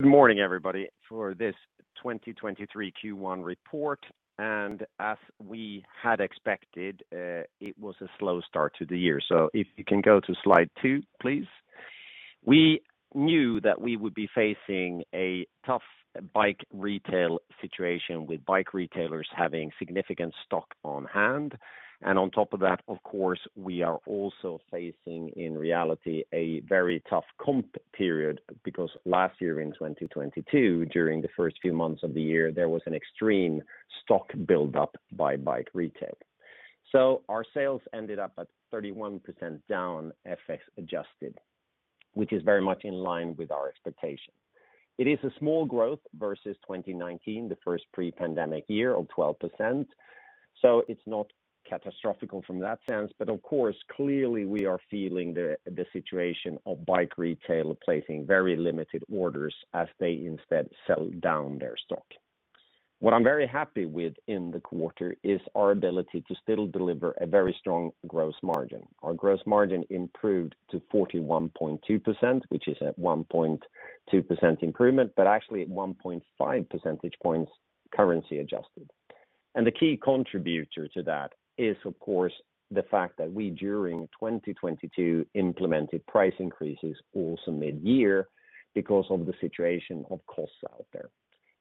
Good morning, everybody, for this 2023 Q1 Report. As we had expected, it was a slow start to the year. If you can go to slide two, please. We knew that we would be facing a tough bike retail situation with bike retailers having significant stock on hand. On top of that, of course, we are also facing, in reality, a very tough comp period, because last year in 2022, during the first few months of the year, there was an extreme stock build-up by bike retail. Our sales ended up at 31% down FX adjusted, which is very much in line with our expectation. It is a small growth versus 2019, the first pre-pandemic year of 12%. It's not catastrophic from that sense. Of course, clearly we are feeling the situation of bike retail placing very limited orders as they instead sell down their stock. What I'm very happy with in the quarter is our ability to still deliver a very strong gross margin. Our gross margin improved to 41.2%, which is at 1.2% improvement, but actually at 1.5 percentage points, currency adjusted. The key contributor to that is, of course, the fact that we, during 2022, implemented price increases also mid-year because of the situation of costs out there.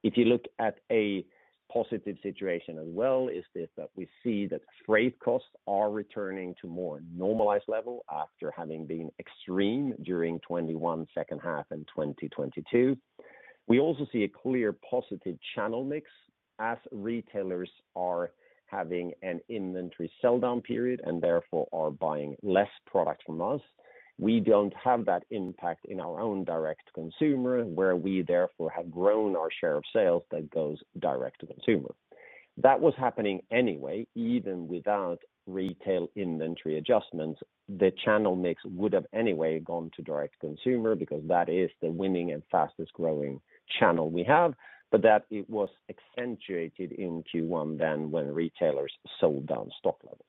If you look at a positive situation as well, is this that we see that freight costs are returning to more normalized level after having been extreme during 2021 second half and 2022. We also see a clear positive channel mix as retailers are having an inventory sell-down period and therefore are buying less product from us. We don't have that impact in our own direct consumer, where we therefore have grown our share of sales that goes direct to consumer. That was happening anyway, even without retail inventory adjustment. The channel mix would have anyway gone to direct consumer because that is the winning and fastest-growing channel we have, but that it was accentuated in Q1 than when retailers sold down stock levels.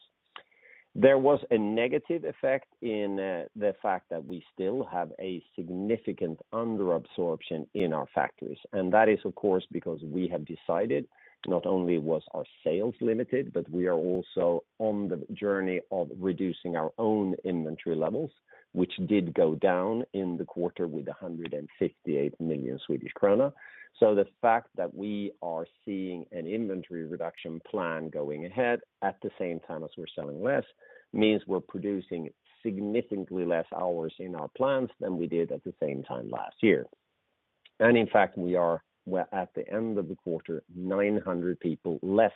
There was a negative effect in the fact that we still have a significant underabsorption in our factories. That is, of course, because we have decided not only was our sales limited, but we are also on the journey of reducing our own inventory levels, which did go down in the quarter with 158 million Swedish krona. The fact that we are seeing an inventory reduction plan going ahead at the same time as we're selling less means we're producing significantly less hours in our plants than we did at the same time last year. In fact, we're at the end of the quarter, 900 people less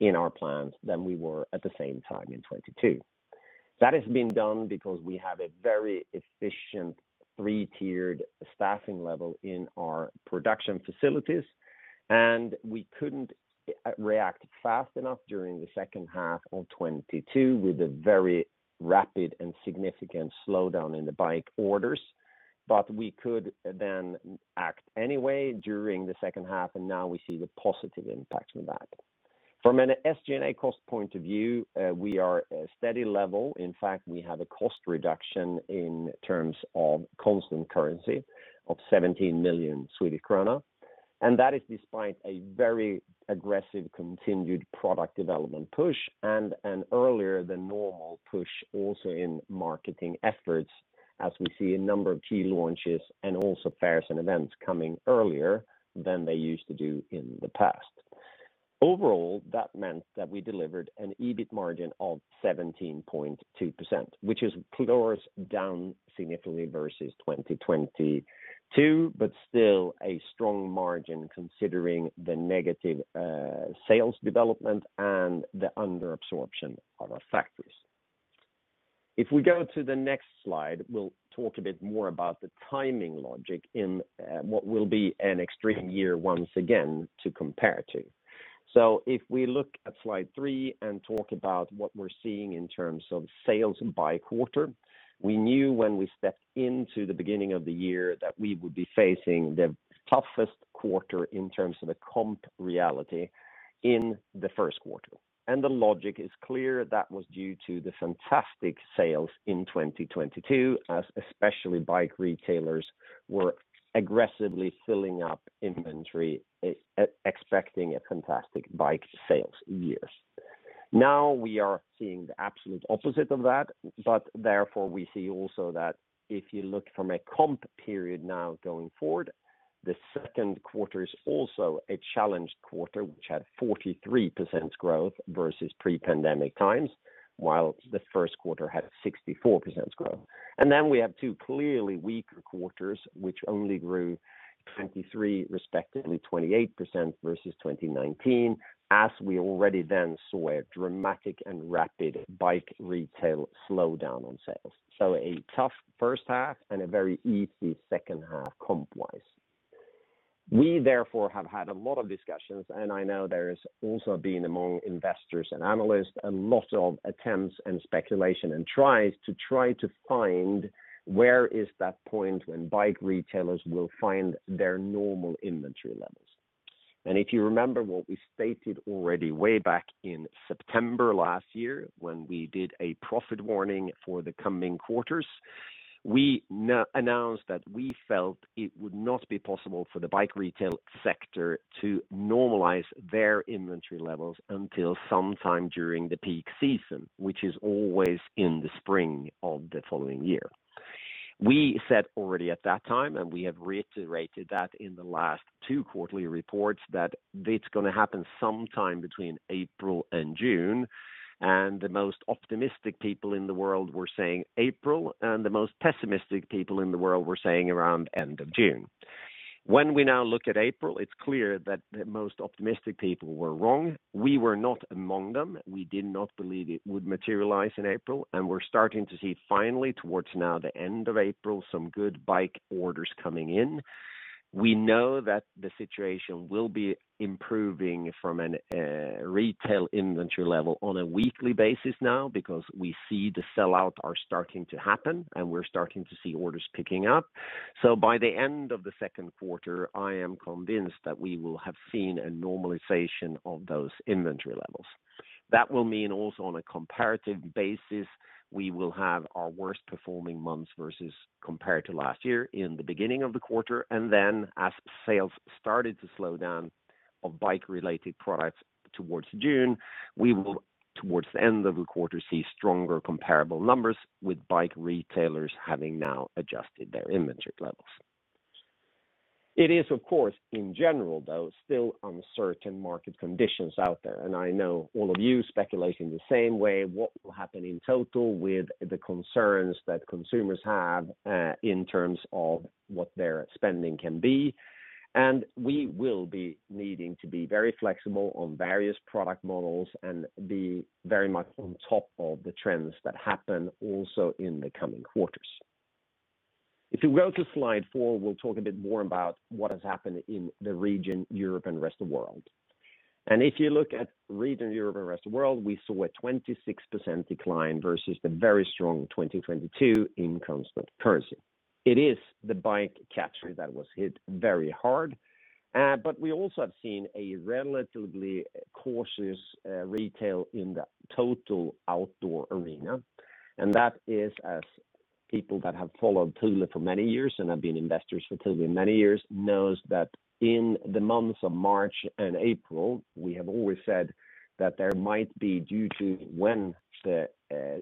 in our plants than we were at the same time in 2022. That has been done because we have a very efficient three-tiered staffing level in our production facilities, and we couldn't react fast enough during the second half of 2022 with a very rapid and significant slowdown in the bike orders. We could then act anyway during the second half, and now we see the positive impact of that. From an SG&A cost point of view, we are a steady level. In fact, we have a cost reduction in terms of constant currency of 17 million Swedish krona. That is despite a very aggressive continued product development push and an earlier than normal push also in marketing efforts as we see a number of key launches and also fairs and events coming earlier than they used to do in the past. Overall, that meant that we delivered an EBIT margin of 17.2%, which is clear as down significantly versus 2022, but still a strong margin considering the negative sales development and the underabsorption of our factories. If we go to the next slide, we'll talk a bit more about the timing logic in what will be an extreme year once again to compare to. If we look at slide 3 and talk about what we're seeing in terms of sales by quarter, we knew when we stepped into the beginning of the year that we would be facing the toughest quarter in terms of the comp reality in the first quarter. The logic is clear that was due to the fantastic sales in 2022, as especially bike retailers were aggressively filling up inventory, expecting a fantastic bike sales years. Now we are seeing the absolute opposite of that, we see also that if you look from a comp period now going forward, the second quarter is also a challenged quarter, which had 43% growth versus pre-pandemic times, while the first quarter had a 64% growth. We have two clearly weaker quarters, which only grew 23%, respectively 28% versus 2019, as we already then saw a dramatic and rapid bike retail slowdown on sales. A tough first half and a very easy second half comp-wise. We therefore have had a lot of discussions, and I know there's also been among investors and analysts a lot of attempts and speculation and tries to try to find where is that point when bike retailers will find their normal inventory levels. If you remember what we stated already way back in September last year when we did a profit warning for the coming quarters, we announced that we felt it would not be possible for the bike retail sector to normalize their inventory levels until sometime during the peak season, which is always in the spring of the following year. We said already at that time, and we have reiterated that in the last two quarterly reports, that it's gonna happen sometime between April and June. The most optimistic people in the world were saying April, and the most pessimistic people in the world were saying around end of June. When we now look at April, it's clear that the most optimistic people were wrong. We were not among them. We did not believe it would materialize in April, and we're starting to see finally towards now the end of April, some good bike orders coming in. We know that the situation will be improving from a retail inventory level on a weekly basis now because we see the sell out are starting to happen, and we're starting to see orders picking up. By the end of the second quarter, I am convinced that we will have seen a normalization of those inventory levels. That will mean also on a comparative basis, we will have our worst performing months versus compared to last year in the beginning of the quarter, and then as sales started to slow down of bike related products towards June, we will towards the end of the quarter see stronger comparable numbers with bike retailers having now adjusted their inventory levels. It is of course, in general, though, still uncertain market conditions out there, and I know all of you speculating the same way what will happen in total with the concerns that consumers have in terms of what their spending can be. We will be needing to be very flexible on various product models and be very much on top of the trends that happen also in the coming quarters. If you go to slide four, we'll talk a bit more about what has happened in the Region Europe and the Rest of World. If you look at Region Europe and the Rest of World, we saw a 26% decline versus the very strong 2022 in constant currency. It is the bike category that was hit very hard, but we also have seen a relatively cautious retail in the total outdoor arena. That is as people that have followed Thule for many years and have been investors for Thule many years, knows that in the months of March and April, we have always said that there might be due to when the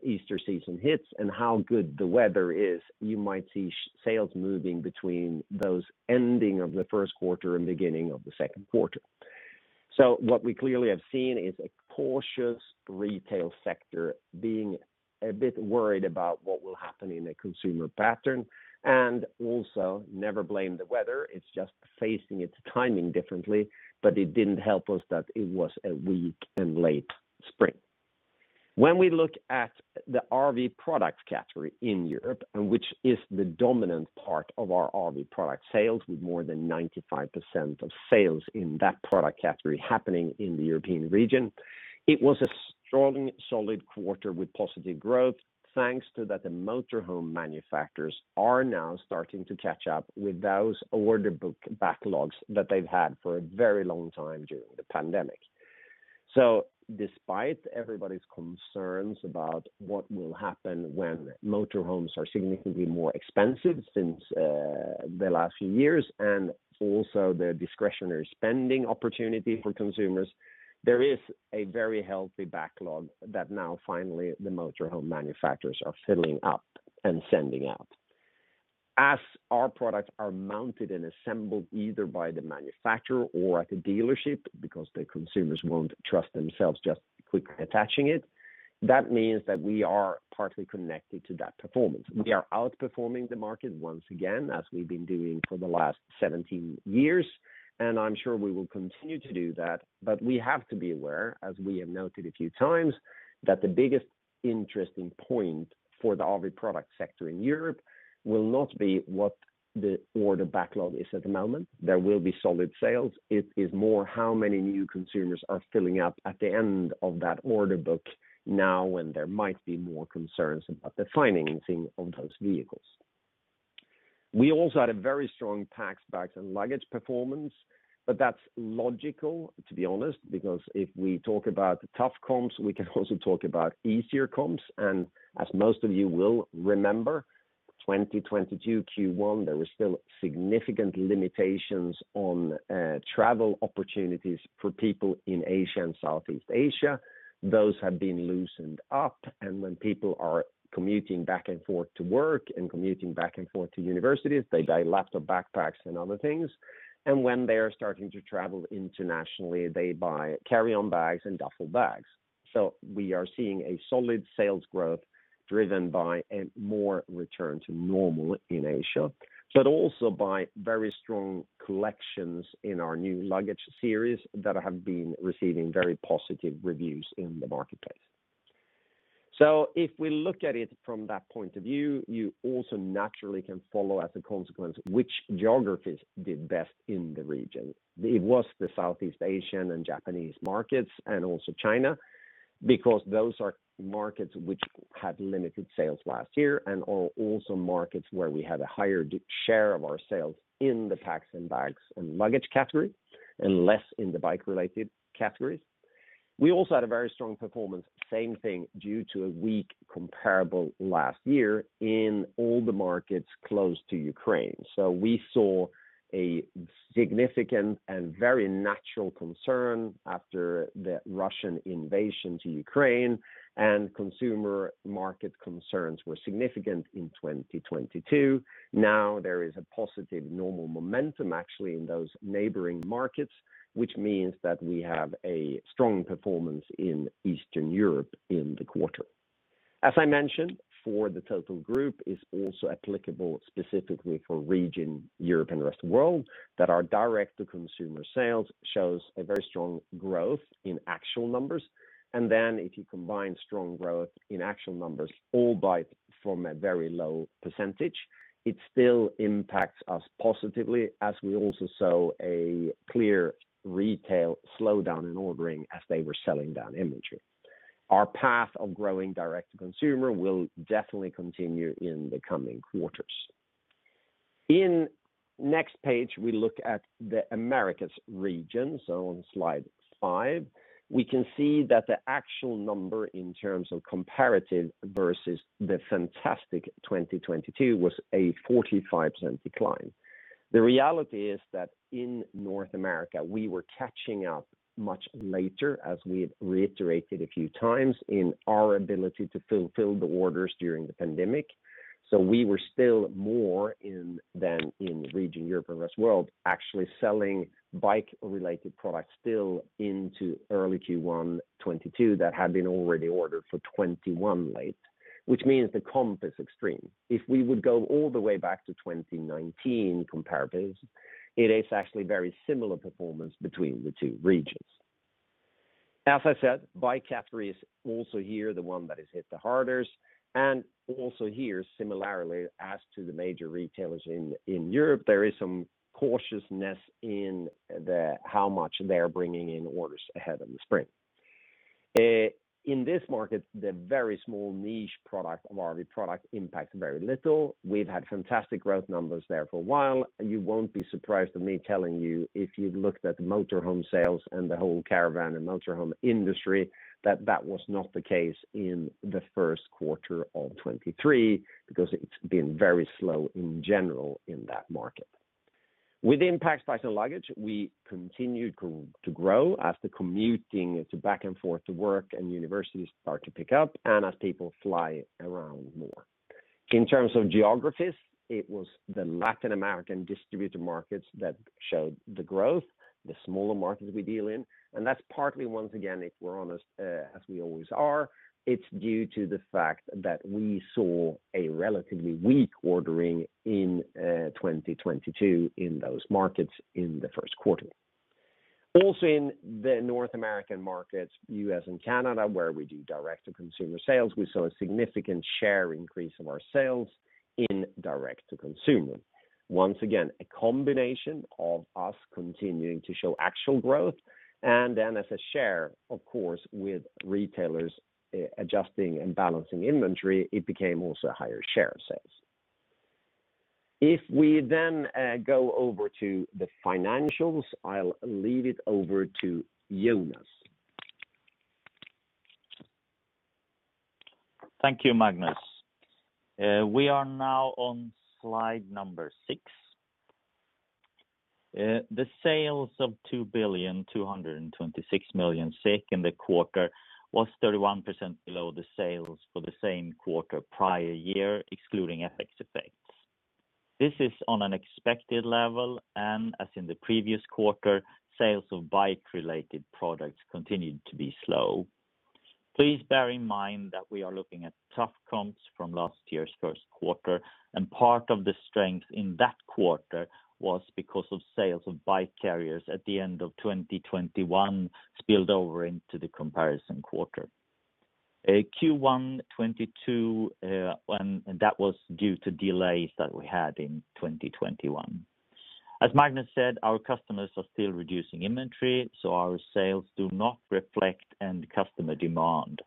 Easter season hits and how good the weather is, you might see sales moving between those ending of the first quarter and beginning of the second quarter. What we clearly have seen is a cautious retail sector being a bit worried about what will happen in a consumer pattern. Also, never blame the weather. It's just phasing its timing differently. It didn't help us that it was a weak and late spring. When we look at the RV product category in Europe, which is the dominant part of our RV product sales with more than 95% of sales in that product category happening in the European region, it was a strong solid quarter with positive growth. Thanks to that the motor home manufacturers are now starting to catch up with those order book backlogs that they've had for a very long time during the pandemic. Despite everybody's concerns about what will happen when motor homes are significantly more expensive since the last few years, and also the discretionary spending opportunity for consumers, there is a very healthy backlog that now finally the motor home manufacturers are filling up and sending out. As our products are mounted and assembled either by the manufacturer or at the dealership because the consumers won't trust themselves just quickly attaching it, that means that we are partly connected to that performance. We are outperforming the market once again as we've been doing for the last 17 years, and I'm sure we will continue to do that. We have to be aware, as we have noted a few times, that the biggest interesting point for the RV product sector in Europe will not be what the order backlog is at the moment. There will be solid sales. It is more how many new consumers are filling up at the end of that order book now when there might be more concerns about the financing on those vehicles. We also had a very strong packs, bags, and luggage performance, but that's logical, to be honest, because if we talk about the tough comps, we can also talk about easier comps. As most of you will remember, 2022 Q1, there were still significant limitations on travel opportunities for people in Asia and Southeast Asia. Those have been loosened up, and when people are commuting back and forth to work and commuting back and forth to universities, they buy laptop backpacks and other things. When they are starting to travel internationally, they buy carry-on bags and duffel bags. We are seeing a solid sales growth driven by a more return to normal in Asia. Also by very strong collections in our new luggage series that have been receiving very positive reviews in the marketplace. If we look at it from that point of view, you also naturally can follow as a consequence which geographies did best in the region. It was the Southeast Asian and Japanese markets and also China. Because those are markets which had limited sales last year and are also markets where we had a higher share of our sales in the Packs, Bags & Luggage category and less in the bike related categories. We also had a very strong performance, same thing due to a weak comparable last year in all the markets close to Ukraine. We saw a significant and very natural concern after the Russian invasion to Ukraine, and consumer market concerns were significant in 2022. There is a positive normal momentum actually in those neighboring markets, which means that we have a strong performance in Eastern Europe in the quarter. As I mentioned, for the total group is also applicable specifically for region Europe and the rest of world, that our direct to consumer sales shows a very strong growth in actual numbers. If you combine strong growth in actual numbers all by from a very low percentage, it still impacts us positively as we also saw a clear retail slowdown in ordering as they were selling down inventory. Our path of growing direct to consumer will definitely continue in the coming quarters. In next page, we look at the Americas region. On slide five, we can see that the actual number in terms of comparative versus the fantastic 2022 was a 45% decline. The reality is that in North America, we were catching up much later as we had reiterated a few times in our ability to fulfill the orders during the pandemic. We were still more in than in region Europe and rest world actually selling bike related products still into early Q1 2022 that had been already ordered for 2021 late, which means the comp is extreme. If we would go all the way back to 2019 comparatives, it is actually very similar performance between the two regions. As I said, bike category is also here, the one that is hit the hardest. Also here, similarly, as to the major retailers in Europe, there is some cautiousness in the how much they're bringing in orders ahead of the spring. In this market, the very small niche product of RV product impacts very little. We've had fantastic growth numbers there for a while. You won't be surprised of me telling you if you've looked at motor home sales and the whole caravan and motor home industry that that was not the case in the first quarter of 2023 because it's been very slow in general in that market. Within packs, bags and luggage, we continued to grow as the commuting to back and forth to work and universities start to pick up and as people fly around more. In terms of geographies, it was the Latin American distributor markets that showed the growth, the smaller markets we deal in. That's partly once again, if we're honest, as we always are, it's due to the fact that we saw a relatively weak ordering in 2022 in those markets in the first quarter. Also in the North American markets, U.S. and Canada, where we do direct to consumer sales, we saw a significant share increase of our sales in direct to consumer. Once again, a combination of us continuing to show actual growth and then as a share, of course, with retailers, adjusting and balancing inventory, it became also a higher share of sales. Go over to the financials, I'll leave it over to Jonas. Thank you, Magnus. We are now on slide number six. The sales of 2,226 million in the quarter was 31% below the sales for the same quarter prior year, excluding FX effects. This is on an expected level. As in the previous quarter, sales of bike related products continued to be slow. Please bear in mind that we are looking at tough comps from last year's first quarter. Part of the strength in that quarter was because of sales of bike carriers at the end of 2021 spilled over into the comparison quarter. Q1 2022, when that was due to delays that we had in 2021. As Magnus said, our customers are still reducing inventory. Our sales do not reflect end customer demand.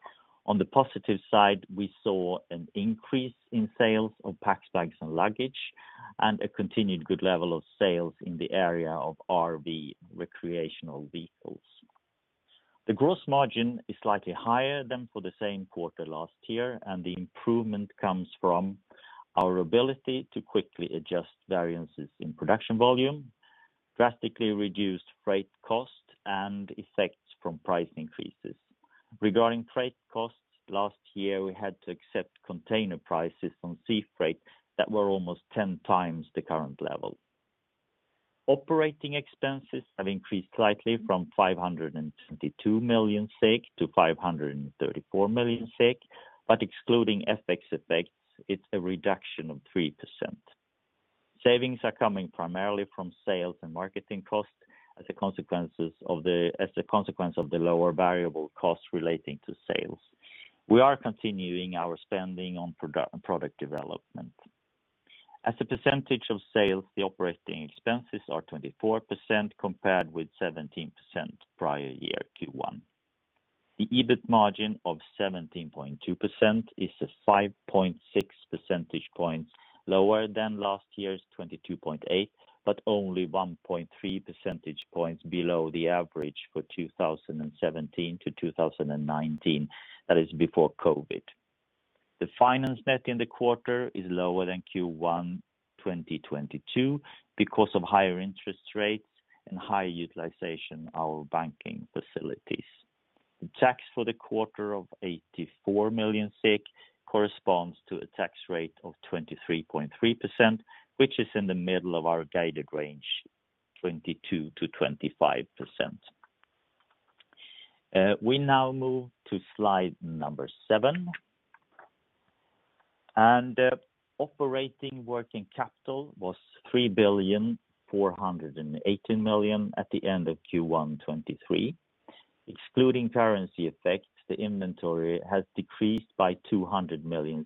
The positive side, we saw an increase in sales of packs, bags and luggage and a continued good level of sales in the area of RV recreational vehicles. The gross margin is slightly higher than for the same quarter last year. The improvement comes from our ability to quickly adjust variances in production volume, drastically reduced freight cost and effects from price increases. Regarding freight costs, last year, we had to accept container prices on sea freight that were almost 10x the current level. Operating expenses have increased slightly from 522 million to 534 million. Excluding FX effects, it's a reduction of 3%. Savings are coming primarily from sales and marketing costs as a consequence of the lower variable costs relating to sales. We are continuing our spending on product development. As a percentage of sales, the operating expenses are 24% compared with 17% prior year Q1. The EBIT margin of 17.2% is a 5.6 percentage points lower than last year's 22.8%, but only 1.3 percentage points below the average for 2017-2019, that is before COVID. The finance net in the quarter is lower than Q1 2022 because of higher interest rates and high utilization our banking facilities. The tax for the quarter of 84 million corresponds to a tax rate of 23.3%, which is in the middle of our guided range, 22%-25%. We now move to slide number seven. Operating working capital was 3,418 million at the end of Q1 2023. Excluding currency effects, the inventory has decreased by 200 million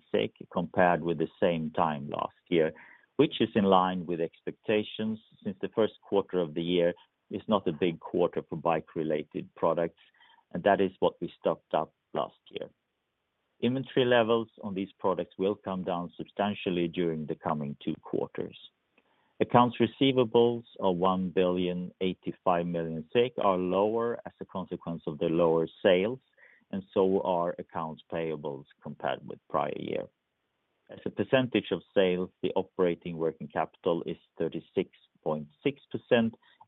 compared with the same time last year, which is in line with expectations since the first quarter of the year is not a big quarter for bike related products, and that is what we stocked up last year. Inventory levels on these products will come down substantially during the coming two quarters. Accounts receivables are 1,085 million are lower as a consequence of the lower sales, and so are accounts payables compared with prior year. As a percentage of sales, the operating working capital is 36.6%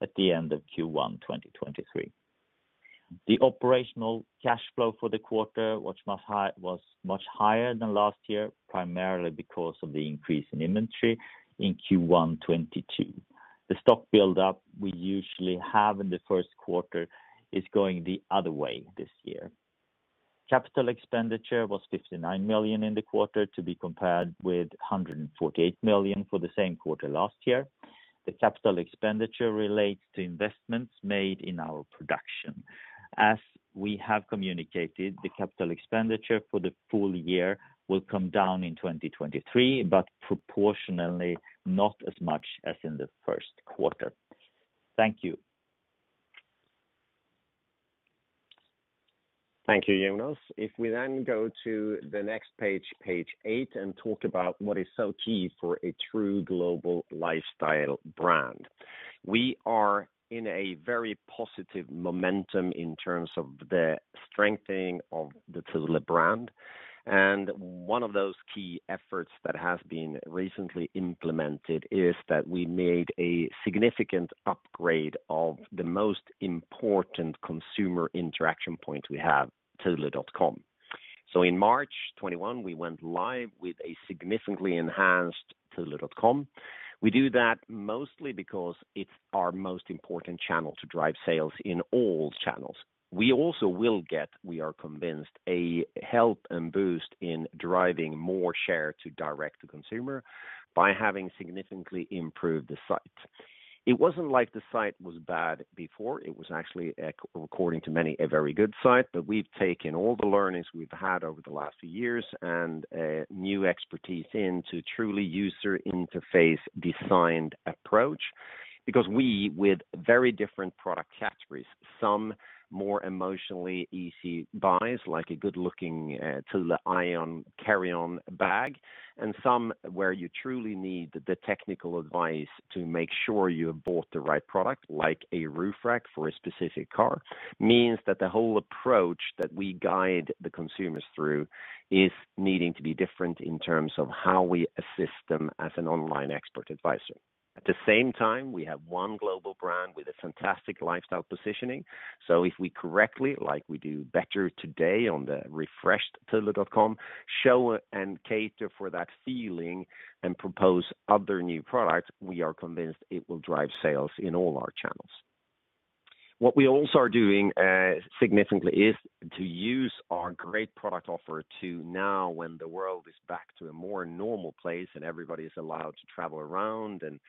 at the end of Q1 2023. The operational cash flow for the quarter, which was much higher than last year, primarily because of the increase in inventory in Q1 2022. The stock buildup we usually have in the first quarter is going the other way this year. capital expenditure was 59 million in the quarter to be compared with 148 million for the same quarter last year. The capital expenditure relates to investments made in our production. As we have communicated, the capital expenditure for the full year will come down in 2023, proportionally not as much as in the first quarter. Thank you. Thank you, Jonas. If we then go to the next page eight, and talk about what is so key for a true global lifestyle brand. We are in a very positive momentum in terms of the strengthening of the Thule brand. One of those key efforts that has been recently implemented is that we made a significant upgrade of the most important consumer interaction point we have, thule.com. In March 2021, we went live with a significantly enhanced thule.com. We do that mostly because it's our most important channel to drive sales in all channels. We also will get, we are convinced, a help and boost in driving more share to direct to consumer by having significantly improved the site. It wasn't like the site was bad before. It was actually, according to many, a very good site. We've taken all the learnings we've had over the last few years and new expertise in to truly user interface designed approach. Because we with very different product categories, some more emotionally easy buys, like a good-looking Thule Aion carry-on bag, and some where you truly need the technical advice to make sure you have bought the right product, like a roof rack for a specific car, means that the whole approach that we guide the consumers through is needing to be different in terms of how we assist them as an online expert advisor. At the same time, we have one global brand with a fantastic lifestyle positioning. If we correctly, like we do better today on the refreshed thule.com, show and cater for that feeling and propose other new products, we are convinced it will drive sales in all our channels. What we also are doing significantly is to use our great product offer to now when the world is back to a more normal place and everybody is allowed to travel around and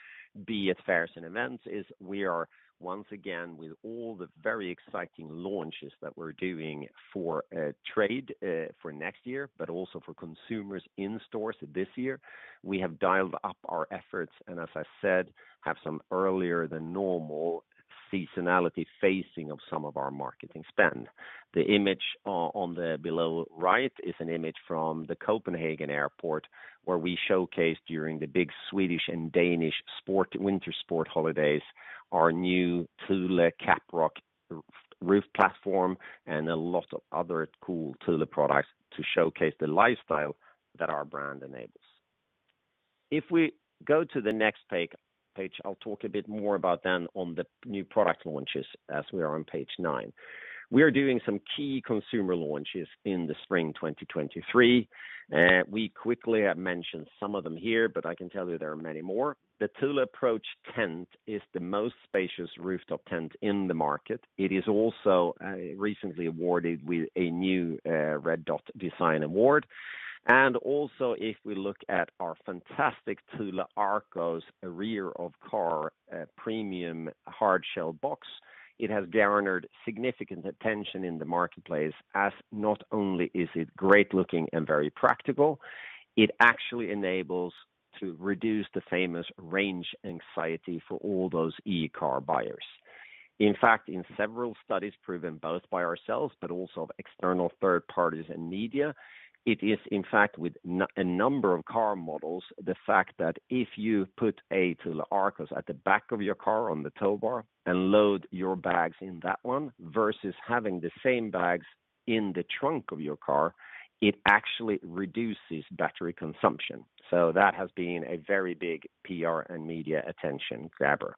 be at fairs and events, is we are once again with all the very exciting launches that we're doing for trade for next year, but also for consumers in stores this year. We have dialed up our efforts, and as I said, have some earlier than normal seasonality phasing of some of our marketing spend. The image on the below right is an image from the Copenhagen Airport, where we showcased during the big Swedish and Danish winter sport holidays, our new Thule Caprock roof platform and a lot of other cool Thule products to showcase the lifestyle that our brand enables. If we go to the next page, I'll talk a bit more about then on the new product launches as we are on page nine. We are doing some key consumer launches in the Spring 2023. We quickly have mentioned some of them here. I can tell you there are many more. The Thule Approach Tent is the most spacious rooftop tent in the market. It is also recently awarded with a new Red Dot Design Award. Also, if we look at our fantastic Thule Arcos rear of car premium hard shell box. It has garnered significant attention in the marketplace as not only is it great-looking and very practical, it actually enables to reduce the famous range anxiety for all those E-car buyers. In fact, in several studies proven both by ourselves but also of external third parties and media, it is, in fact, with a number of car models, the fact that if you put a Thule Arcos at the back of your car on the tow bar and load your bags in that one versus having the same bags in the trunk of your car, it actually reduces battery consumption. That has been a very big PR and media attention grabber.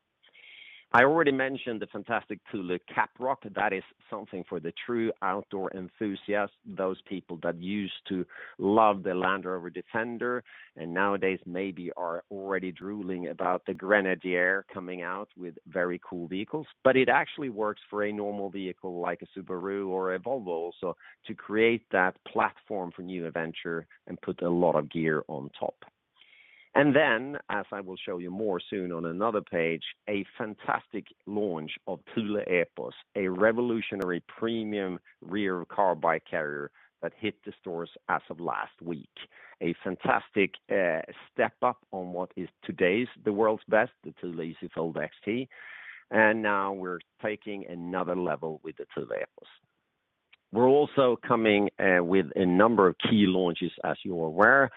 I already mentioned the fantastic Thule Caprock. That is something for the true outdoor enthusiasts, those people that used to love the Land Rover Defender, Nowadays maybe are already drooling about the Grenadier coming out with very cool vehicles. It actually works for a normal vehicle like a Subaru or a Volvo also to create that platform for new adventure and put a lot of gear on top. As I will show you more soon on another page, a fantastic launch of Thule Epos, a revolutionary premium rear car bike carrier that hit the stores as of last week. A fantastic step up on what is today's the world's best, the Thule EasyFold XT. Now we're taking another level with the Thule Epos. We're also coming with a number of key launches, as you are aware,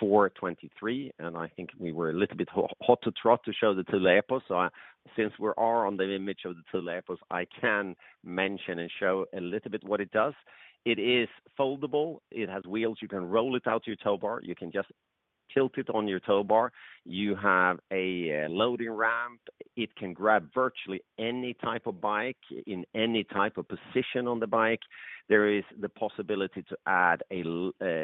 for 23, and I think we were a little bit hot to trot to show the Thule Epos. Since we are on the image of the Thule Epos, I can mention and show a little bit what it does. It is foldable. It has wheels. You can roll it out to your tow bar. You can just tilt it on your tow bar. You have a loading ramp. It can grab virtually any type of bike in any type of position on the bike. There is the possibility to add a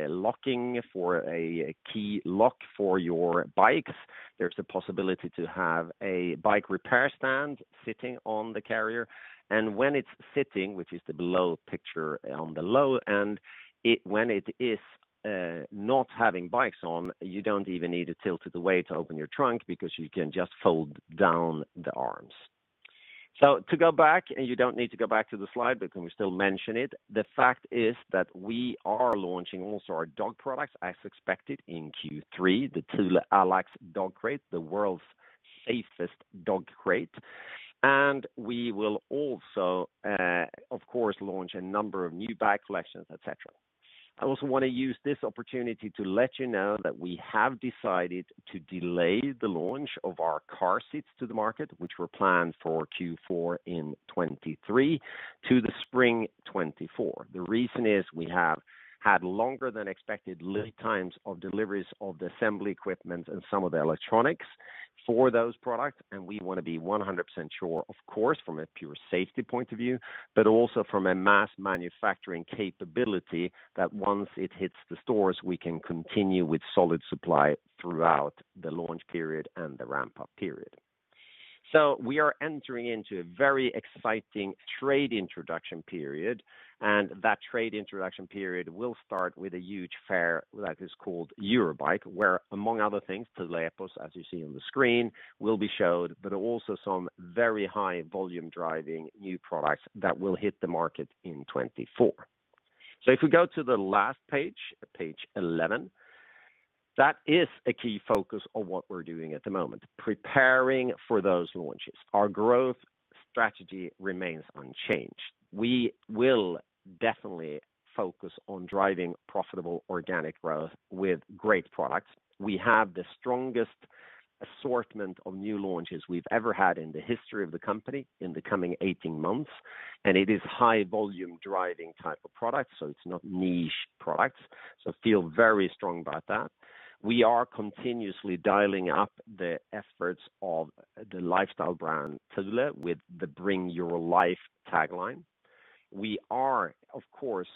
locking for a key lock for your bikes. There's a possibility to have a bike repair stand sitting on the carrier. When it's sitting, which is the below picture on the low, when it is not having bikes on, you don't even need to tilt it away to open your trunk because you can just fold down the arms. To go back, and you don't need to go back to the slide, but can we still mention it? The fact is that we are launching also our dog products as expected in Q3, the Thule Allax Dog crate, the world's safest dog crate. We will also, of course, launch a number of new bike collections, et cetera. I also wanna use this opportunity to let you know that we have decided to delay the launch of our car seats to the market, which were planned for Q4 in 2023 to the spring 2024. The reason is, we have had longer than expected lead times of deliveries of the assembly equipment and some of the electronics for those products, and we wanna be 100% sure, of course, from a pure safety point of view, but also from a mass manufacturing capability that once it hits the stores, we can continue with solid supply throughout the launch period and the ramp-up period. We are entering into a very exciting trade introduction period, and that trade introduction period will start with a huge fair that is called Eurobike, where, among other things, Thule Epos, as you see on the screen, will be showed, but also some very high volume driving new products that will hit the market in 2024. If we go to the last page 11, that is a key focus of what we're doing at the moment, preparing for those launches. Our growth strategy remains unchanged. We will definitely focus on driving profitable organic growth with great products. We have the strongest assortment of new launches we've ever had in the history of the company in the coming 18 months, and it is high volume driving type of products, so it's not niche products. Feel very strong about that. We are continuously dialing up the efforts of the lifestyle brand Thule with the Bring Your Life tagline. We are, of course,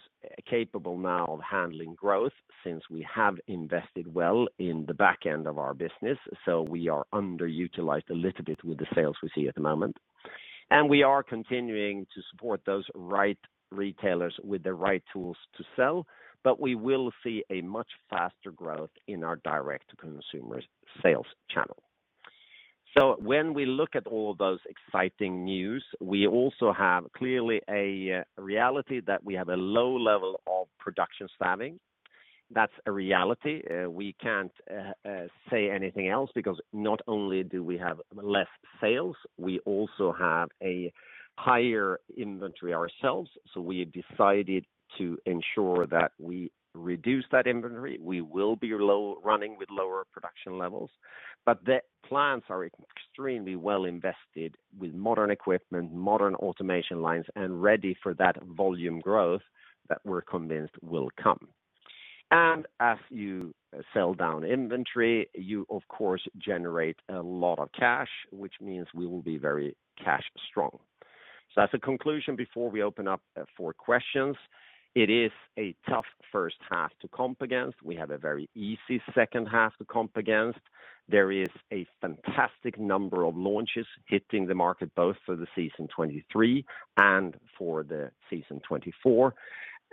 capable now of handling growth since we have invested well in the back end of our business. We are underutilized a little bit with the sales we see at the moment. We are continuing to support those right retailers with the right tools to sell, but we will see a much faster growth in our D2C sales channel. When we look at all those exciting news, we also have clearly a reality that we have a low level of production staffing. That's a reality. We can't say anything else because not only do we have less sales, we also have a higher inventory ourselves. We decided to ensure that we reduce that inventory. We will be low running with lower production levels. The plants are extremely well invested with modern equipment, modern automation lines, and ready for that volume growth that we're convinced will come. As you sell down inventory, you of course generate a lot of cash, which means we will be very cash strong. As a conclusion before we open up for questions, it is a tough first half to comp against. We have a very easy second half to comp against. There is a fantastic number of launches hitting the market both for the Season 23 and for the Season 24.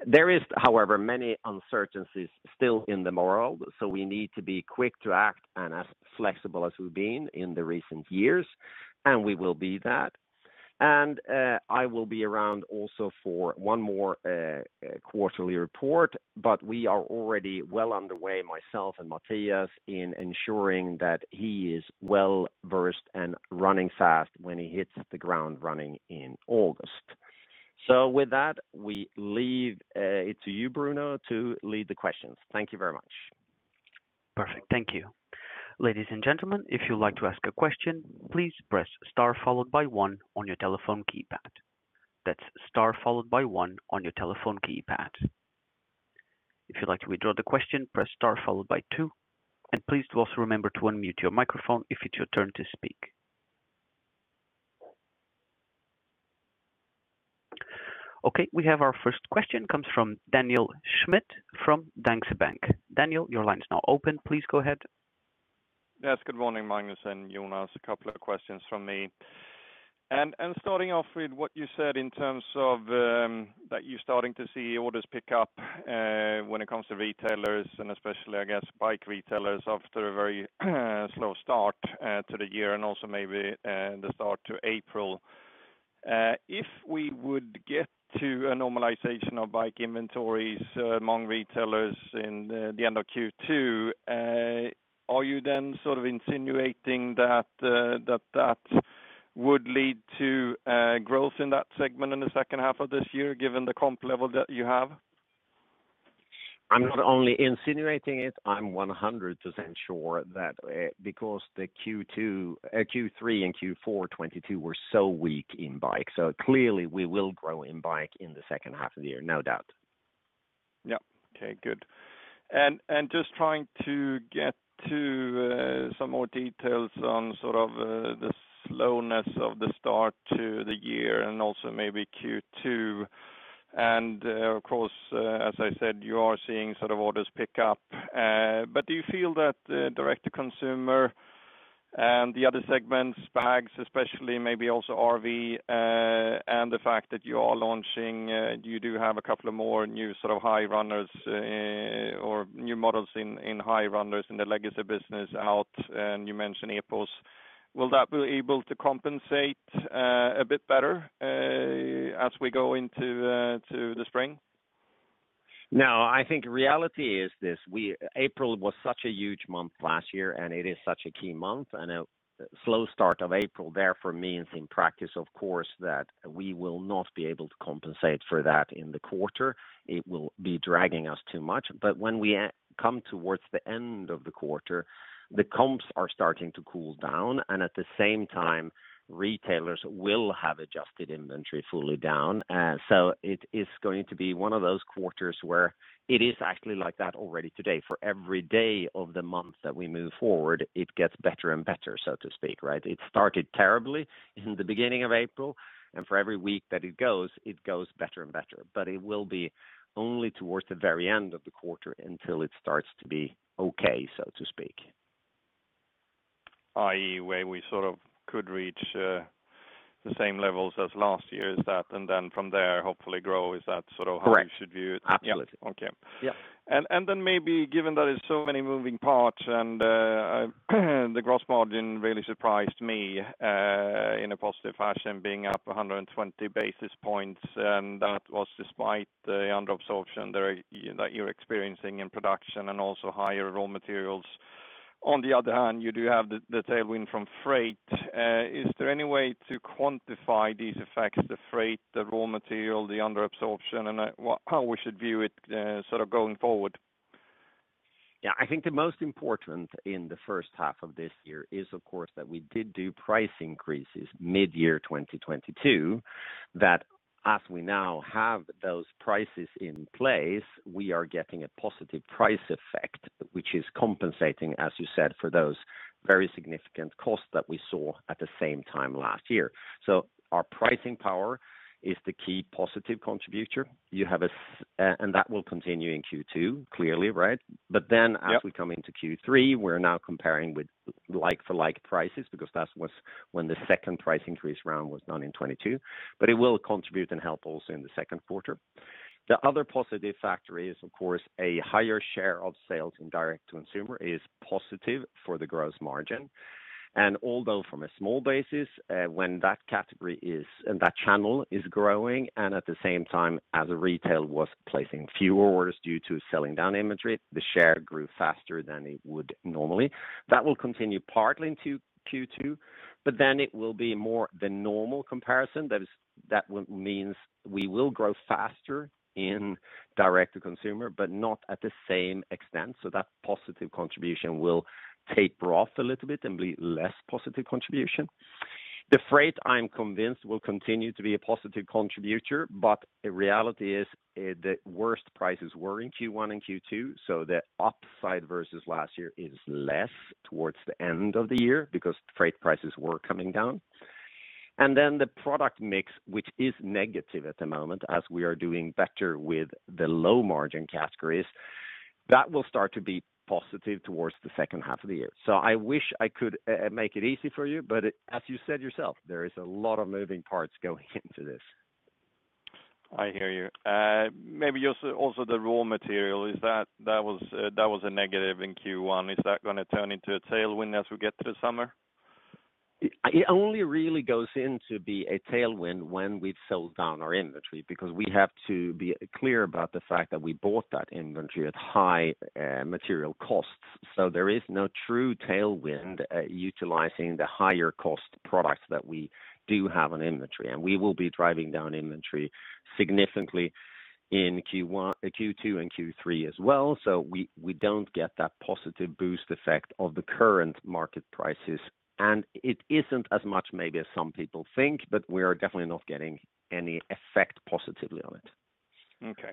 There is however many uncertainties still in the moral, so we need to be quick to act and as flexible as we've been in the recent years, and we will be that. I will be around also for one more quarterly report. We are already well underway, myself and Matthias, in ensuring that he is well-versed and running fast when he hits the ground running in August. With that, we leave it to you, Bruno, to lead the questions. Thank you very much. Perfect. Thank you. Ladies and gentlemen, if you'd like to ask a question, please press star followed by one on your telephone keypad. That's star followed by one on your telephone keypad. If you'd like to withdraw the question, press star followed by two. Please do also remember to unmute your microphone if it's your turn to speak. Okay, we have our first question, comes from Daniel Schmidt from Danske Bank. Daniel, your line is now open. Please go ahead. Yes, good morning, Magnus and Jonas. A couple of questions from me. Starting off with what you said in terms of that you're starting to see orders pick up when it comes to retailers and especially, I guess, bike retailers after a very slow start to the year and also maybe the start to April. If we would get to a normalization of bike inventories among retailers in the end of Q2, are you then sort of insinuating that would lead to growth in that segment in the second half of this year, given the comp level that you have? I'm not only insinuating it, I'm 100% sure that, because the Q3 and Q4 2022 were so weak in bike. Clearly we will grow in bike in the second half of the year, no doubt. Yeah. Okay, good. Just trying to get to some more details on sort of the slowness of the start to the year and also maybe Q2. Of course, as I said, you are seeing sort of orders pick up. Do you feel that the direct to consumer and the other segments, bags especially, maybe also RV, and the fact that you are launching, you do have a couple of more new sort of high runners, or new models in high runners in the legacy business out, and you mentioned Epos. Will that be able to compensate a bit better as we go into to the Spring? No, I think reality is this. We April was such a huge month last year, and it is such a key month. A slow start of April, therefore, means in practice, of course, that we will not be able to compensate for that in the quarter. It will be dragging us too much. When we come towards the end of the quarter, the comps are starting to cool down, and at the same time, retailers will have adjusted inventory fully down. It is going to be one of those quarters where it is actually like that already today. For every day of the month that we move forward, it gets better and better, so to speak, right? It started terribly in the beginning of April. For every week that it goes better and better. It will be only towards the very end of the quarter until it starts to be okay, so to speak. I.e., where we sort of could reach, the same levels as last year's that, and then from there, hopefully grow. Is that sort of how we should view it? Correct. Absolutely. Yeah. Okay. Yeah. Maybe given that there's so many moving parts and the gross margin really surprised me in a positive fashion, being up 120 basis points, and that was despite the under absorption there that you're experiencing in production and also higher raw materials. On the other hand, you do have the tailwind from freight. Is there any way to quantify these effects, the freight, the raw material, the under absorption, and how we should view it sort of going forward? Yeah. I think the most important in the first half of this year is, of course, that we did do price increases mid-year 2022. That as we now have those prices in place, we are getting a positive price effect, which is compensating, as you said, for those very significant costs that we saw at the same time last year. Our pricing power is the key positive contributor. That will continue in Q2, clearly, right? Yeah. As we come into Q3, we're now comparing with like-for-like prices because that was when the second price increase round was done in 2022. It will contribute and help also in the second quarter. The other positive factor is, of course, a higher share of sales in D2C is positive for the gross margin. Although from a small basis, when that category is, and that channel is growing and at the same time as a retail was placing fewer orders due to selling down inventory, the share grew faster than it would normally. That will continue partly into Q2, but then it will be more the normal comparison. That is, that means we will grow faster in D2C, but not at the same extent. That positive contribution will taper off a little bit and be less positive contribution. The freight, I'm convinced, will continue to be a positive contributor, the reality is, the worst prices were in Q1 and Q2, the upside versus last year is less towards the end of the year because freight prices were coming down. The product mix, which is negative at the moment, as we are doing better with the low margin categories. That will start to be positive towards the second half of the year. I wish I could make it easy for you, but as you said yourself, there is a lot of moving parts going into this. I hear you. Maybe also the raw material is that was a negative in Q1. Is that gonna turn into a tailwind as we get to the summer? It only really goes into be a tailwind when we've sold down our inventory, because we have to be clear about the fact that we bought that inventory at high, material costs. There is no true tailwind, utilizing the higher cost products that we do have on inventory. We will be driving down inventory significantly in Q2 and Q3 as well. We don't get that positive boost effect of the current market prices, and it isn't as much maybe as some people think, but we are definitely not getting any effect positively on it. Okay.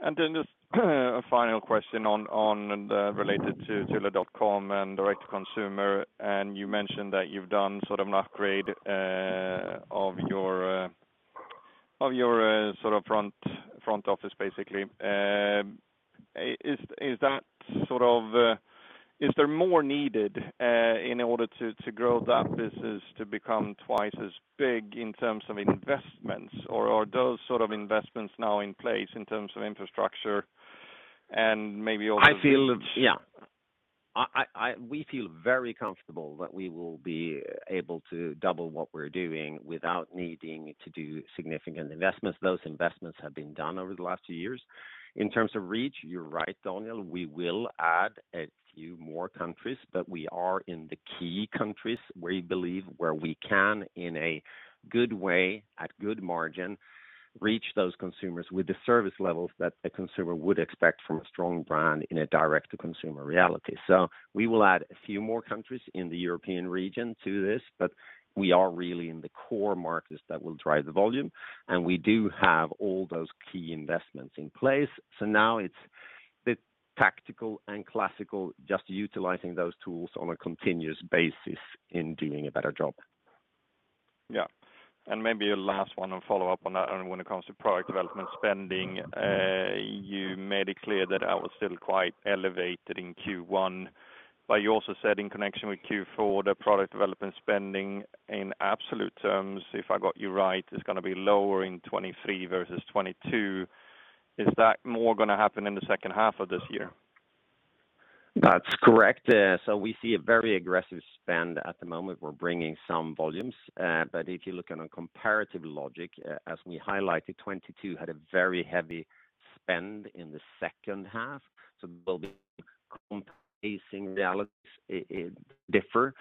Then just a final question on the related to thule.com and direct consumer. You mentioned that you've done sort of an upgrade of your sort of front office, basically. Is that sort of is there more needed in order to grow that business to become twice as big in terms of investments? Are those sort of investments now in place in terms of infrastructure and maybe also? I feel. Yeah. We feel very comfortable that we will be able to double what we're doing without needing to do significant investments. Those investments have been done over the last two years. In terms of reach, you're right, Daniel, we will add a few more countries. We are in the key countries we believe where we can, in a good way, at good margin, reach those consumers with the service levels that a consumer would expect from a strong brand in a direct to consumer reality. We will add a few more countries in the European region to this. We are really in the core markets that will drive the volume. We do have all those key investments in place. Now it's the tactical and classical, just utilizing those tools on a continuous basis in doing a better job. Yeah. Maybe a last one and follow up on that. When it comes to product development spending, you made it clear that that was still quite elevated in Q1, but you also said in connection with Q4, the product development spending in absolute terms, if I got you right, is gonna be lower in 2023 versus 2022. Is that more gonna happen in the second half of this year? That's correct. We see a very aggressive spend at the moment. We're bringing some volumes, but if you look on a comparative logic, as we highlighted, 22 had a very heavy spend in the second half. facing realities, it differ.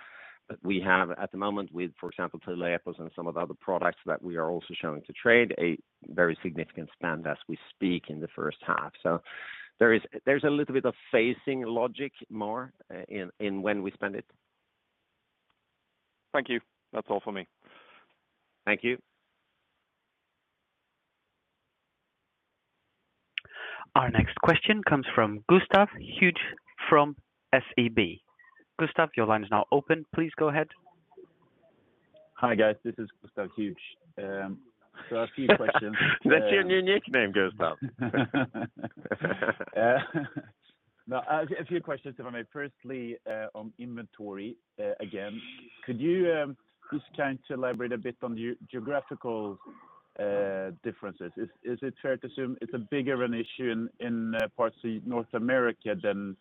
We have at the moment with, for example, Telepos and some of the other products that we are also showing to trade, a very significant spend as we speak in the first half. there's a little bit of phasing logic more in when we spend it. Thank you. That's all for me. Thank you. Our next question comes from Gustav Hagéus from SEB. Gustav, your line is now open. Please go ahead. Hi, guys. This is Gustav Hagéus. A few questions. That's your new nickname, Gustav. No, a few questions, if I may. Firstly, on inventory, again, could you just kind of elaborate a bit on the geographical differences? Is it fair to assume it's a bigger of an issue in parts of North America than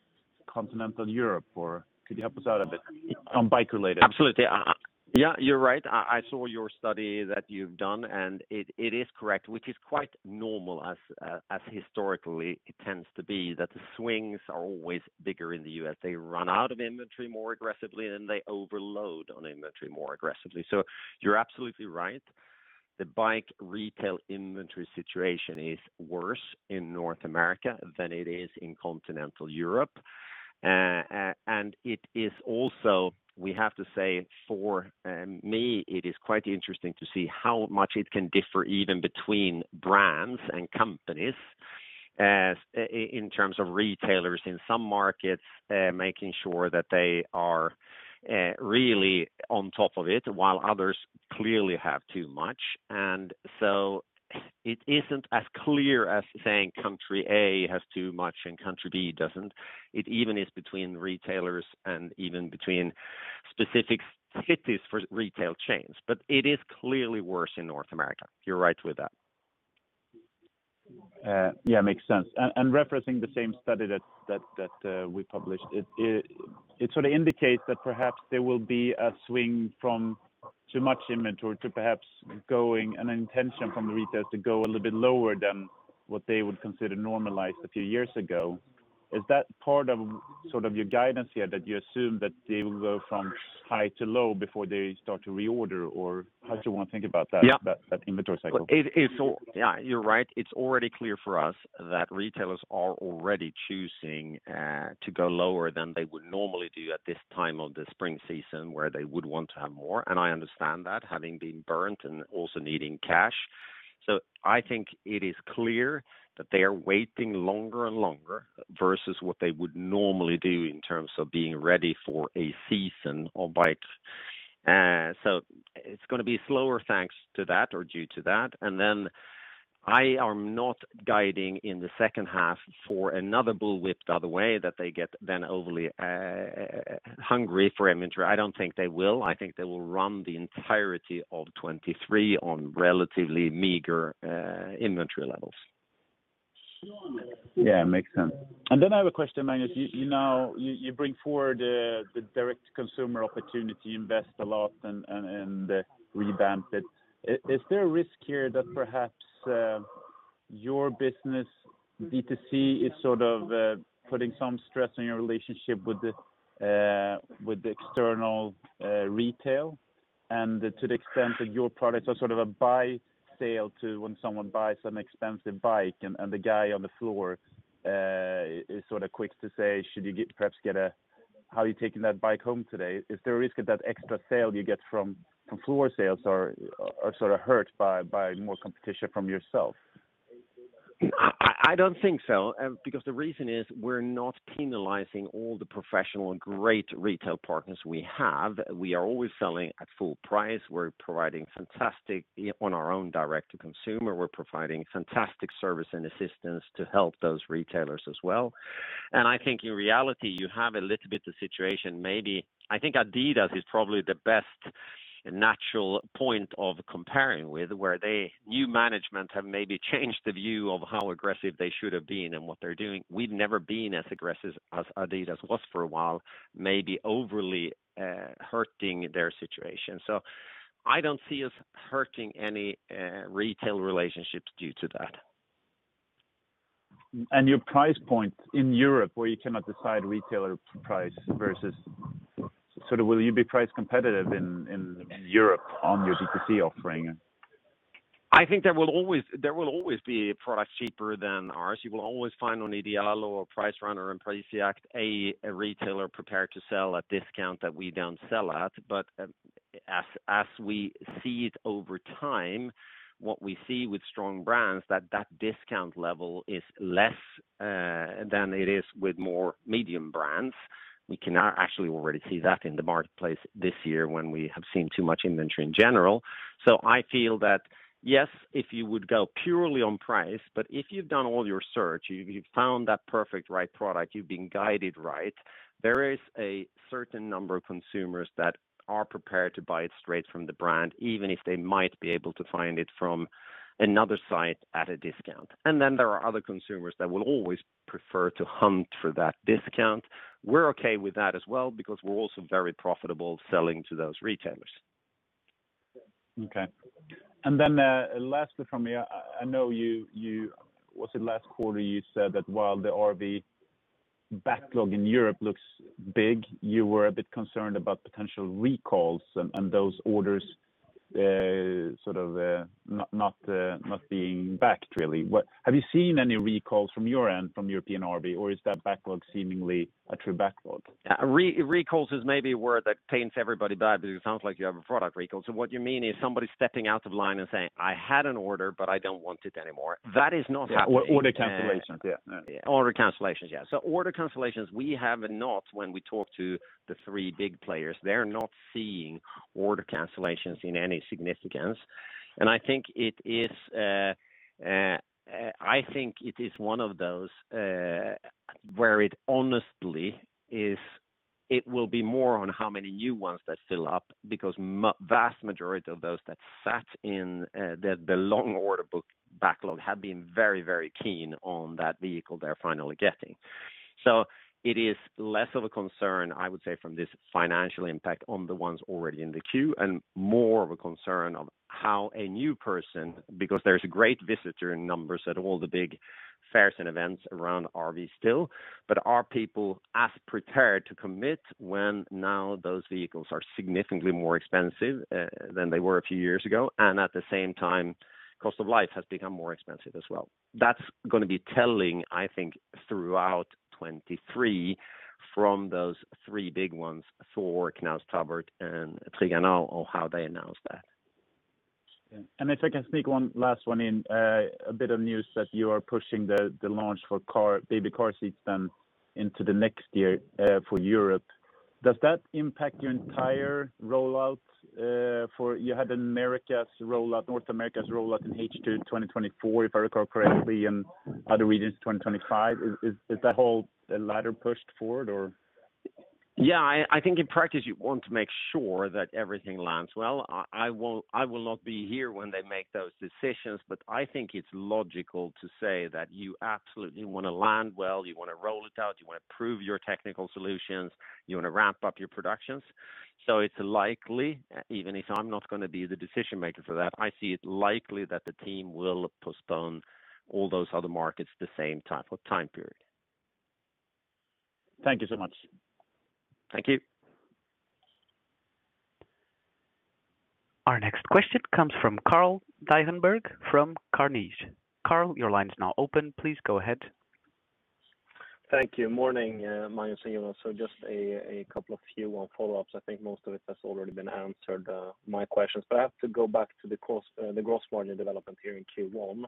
continental Europe? Could you help us out a bit on bike related? Absolutely. I. Yeah, you're right. I saw your study that you've done, and it is correct, which is quite normal as historically it tends to be that the swings are always bigger in the U.S. They run out of inventory more aggressively than they overload on inventory more aggressively. You're absolutely right. The bike retail inventory situation is worse in North America than it is in continental Europe. It is also, we have to say for me, it is quite interesting to see how much it can differ even between brands and companies, in terms of retailers in some markets, making sure that they are really on top of it, while others clearly have too much. It isn't as clear as saying country A has too much and country B doesn't. It even is between retailers and even between specific cities for retail chains. It is clearly worse in North America. You're right with that. Yeah, makes sense. Referencing the same study that we published, it sort of indicates that perhaps there will be a swing from too much inventory to perhaps going an intention from the retailers to go a little bit lower than what they would consider normalized a few years ago. Is that part of your guidance here that you assume that they will go from high to low before they start to reorder? Or how do you wanna think about that... Yeah that inventory cycle? Yeah, you're right. It's already clear for us that retailers are already choosing to go lower than they would normally do at this time of the spring season where they would want to have more. I understand that having been burnt and also needing cash. I think it is clear that they are waiting longer and longer versus what they would normally do in terms of being ready for a season or bike. It's gonna be slower thanks to that or due to that. I am not guiding in the second half for another bullwhip the other way that they get then overly hungry for inventory. I don't think they will. I think they will run the entirety of 2023 on relatively meager inventory levels. Yeah, makes sense. Then I have a question, Magnus. You know, you bring forward the direct consumer opportunity, invest a lot and revamp it. Is there a risk here that perhaps your business D2C is sort of putting some stress on your relationship with the external retail? To the extent that your products are sort of a buy sale to when someone buys an expensive bike and the guy on the floor is sort of quick to say, "How are you taking that bike home today?" Is there a risk that that extra sale you get from floor sales are sort of hurt by more competition from yourself? I don't think so because the reason is we're not penalizing all the professional and great retail partners we have. We are always selling at full price. We're providing fantastic on our own direct to consumer. We're providing fantastic service and assistance to help those retailers as well. I think in reality, you have a little bit of situation maybe. I think adidas is probably the best natural point of comparing with, where new management have maybe changed the view of how aggressive they should have been and what they're doing. We've never been as aggressive as adidas was for a while, maybe overly hurting their situation. I don't see us hurting any retail relationships due to that. Your price point in Europe where you cannot decide retailer price Sort of will you be price competitive in Europe on your D2C offering? I think there will always be a product cheaper than ours. You will always find on Idealo or PriceRunner and PriceCheck a retailer prepared to sell at discount that we don't sell at. As we see it over time, what we see with strong brands that that discount level is less than it is with more medium brands. We can now actually already see that in the marketplace this year when we have seen too much inventory in general. I feel that, yes, if you would go purely on price, but if you've done all your search, you've found that perfect right product, you've been guided right, there is a certain number of consumers that are prepared to buy it straight from the brand, even if they might be able to find it from another site at a discount. There are other consumers that will always prefer to hunt for that discount. We're okay with that as well because we're also very profitable selling to those retailers. Okay. Lastly from me, I know you Was it last quarter you said that while the RV backlog in Europe looks big, you were a bit concerned about potential recalls and those orders, sort of, not being backed really. Have you seen any recalls from your end from European RV, or is that backlog seemingly a true backlog? Re-recalls is maybe a word that paints everybody bad because it sounds like you have a product recall. What you mean is somebody stepping out of line and saying, "I had an order, but I don't want it anymore." That is not happening. Yeah. Order cancellations. Yeah. Order cancellations, yeah. Order cancellations, we have not when we talk to the three big players. They're not seeing order cancellations in any significance. I think it is one of those where it honestly is it will be more on how many new ones that fill up because vast majority of those that sat in the long order book backlog have been very, very keen on that vehicle they're finally getting. It is less of a concern, I would say, from this financial impact on the ones already in the queue and more of a concern of how a new person, because there's great visitor numbers at all the big fairs and events around RV still. Are people as prepared to commit when now those vehicles are significantly more expensive than they were a few years ago, and at the same time, cost of life has become more expensive as well? That's gonna be telling, I think, throughout 2023 from those three big ones, THOR, Knaus Tabbert, and Trigano, on how they announce that. Yeah. If I can sneak one last one in, a bit of news that you are pushing the launch for baby car seats then into the next year, for Europe. Does that impact your entire rollout? You had America's rollout, North America's rollout in H2 in 2024, if I recall correctly, and other regions 2025. Is that whole ladder pushed forward or? Yeah. I think in practice, you want to make sure that everything lands well. I will not be here when they make those decisions, but I think it's logical to say that you absolutely wanna land well, you wanna roll it out, you wanna prove your technical solutions, you wanna ramp up your productions. It's likely, even if I'm not gonna be the decision maker for that, I see it likely that the team will postpone all those other markets the same type of time period. Thank you so much. Thank you. Our next question comes from Carl Deijenberg from Carnegie. Carl, your line is now open. Please go ahead. Thank you. Morning, Magnus and Jonas. Just a couple of Q1 follow-ups. I think most of it has already been answered, my questions. I have to go back to the gross margin development here in Q1.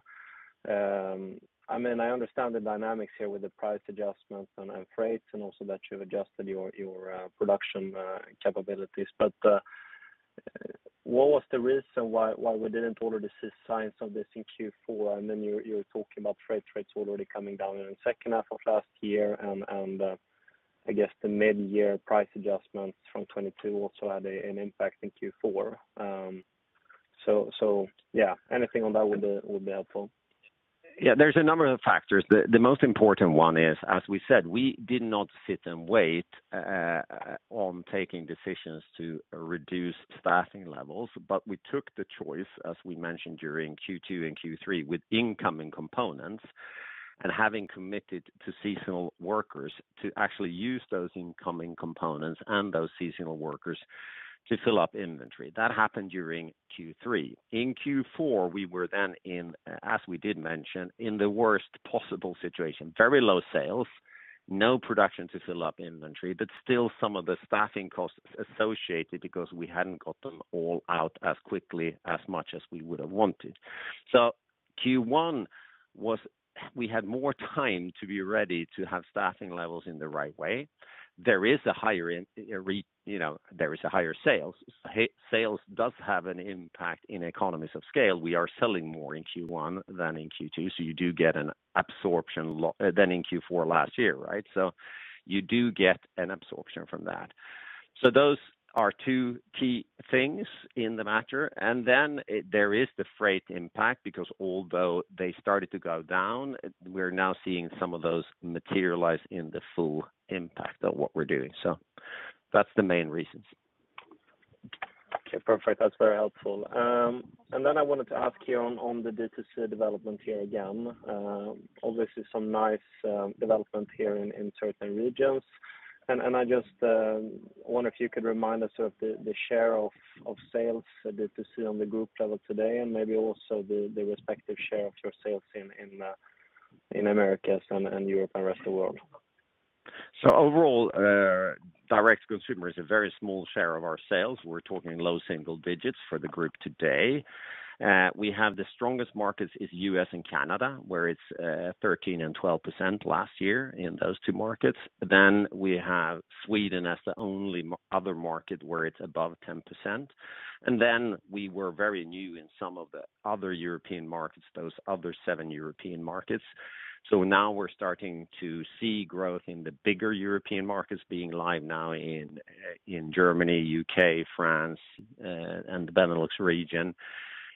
I mean, I understand the dynamics here with the price adjustments and freights and also that you've adjusted your production capabilities. What was the reason why we didn't order to see signs of this in Q4? Then you're talking about freight rates already coming down in the second half of last year and, I guess the mid-year price adjustments from 2022 also had an impact in Q4. Yeah. Anything on that would be helpful. There's a number of factors. The most important one is, as we said, we did not sit and wait on taking decisions to reduce staffing levels, but we took the choice, as we mentioned during Q2 and Q3, with incoming components and having committed to seasonal workers to actually use those incoming components and those seasonal workers to fill up inventory. That happened during Q3. In Q4, we were then in, as we did mention, in the worst possible situation, very low sales, no production to fill up inventory, but still some of the staffing costs associated because we hadn't got them all out as quickly as much as we would have wanted. Q1, we had more time to be ready to have staffing levels in the right way. There is a higher, you know, there is a higher sales. Sales does have an impact in economies of scale. We are selling more in Q1 than in Q2. You do get an absorption than in Q4 last year, right? You do get an absorption from that. Those are two key things in the matter. Then there is the freight impact because although they started to go down, we're now seeing some of those materialize in the full impact of what we're doing. That's the main reasons. Okay, perfect. That's very helpful. I wanted to ask you on the D2C development here again. Obviously some nice development here in certain regions. I just wonder if you could remind us of the share of sales D2C on the group level today, and maybe also the respective share of your sales in Americas and Europe and rest of the world? Overall, direct-to-consumer is a very small share of our sales. We're talking low single digits for the group today. We have the strongest markets is U.S. and Canada, where it's 13% and 12% last year in those two markets. We have Sweden as the only other market where it's above 10%. We were very new in some of the other European markets, those other seven European markets. Now we're starting to see growth in the bigger European markets being live now in Germany, U.K., France, and the Benelux region.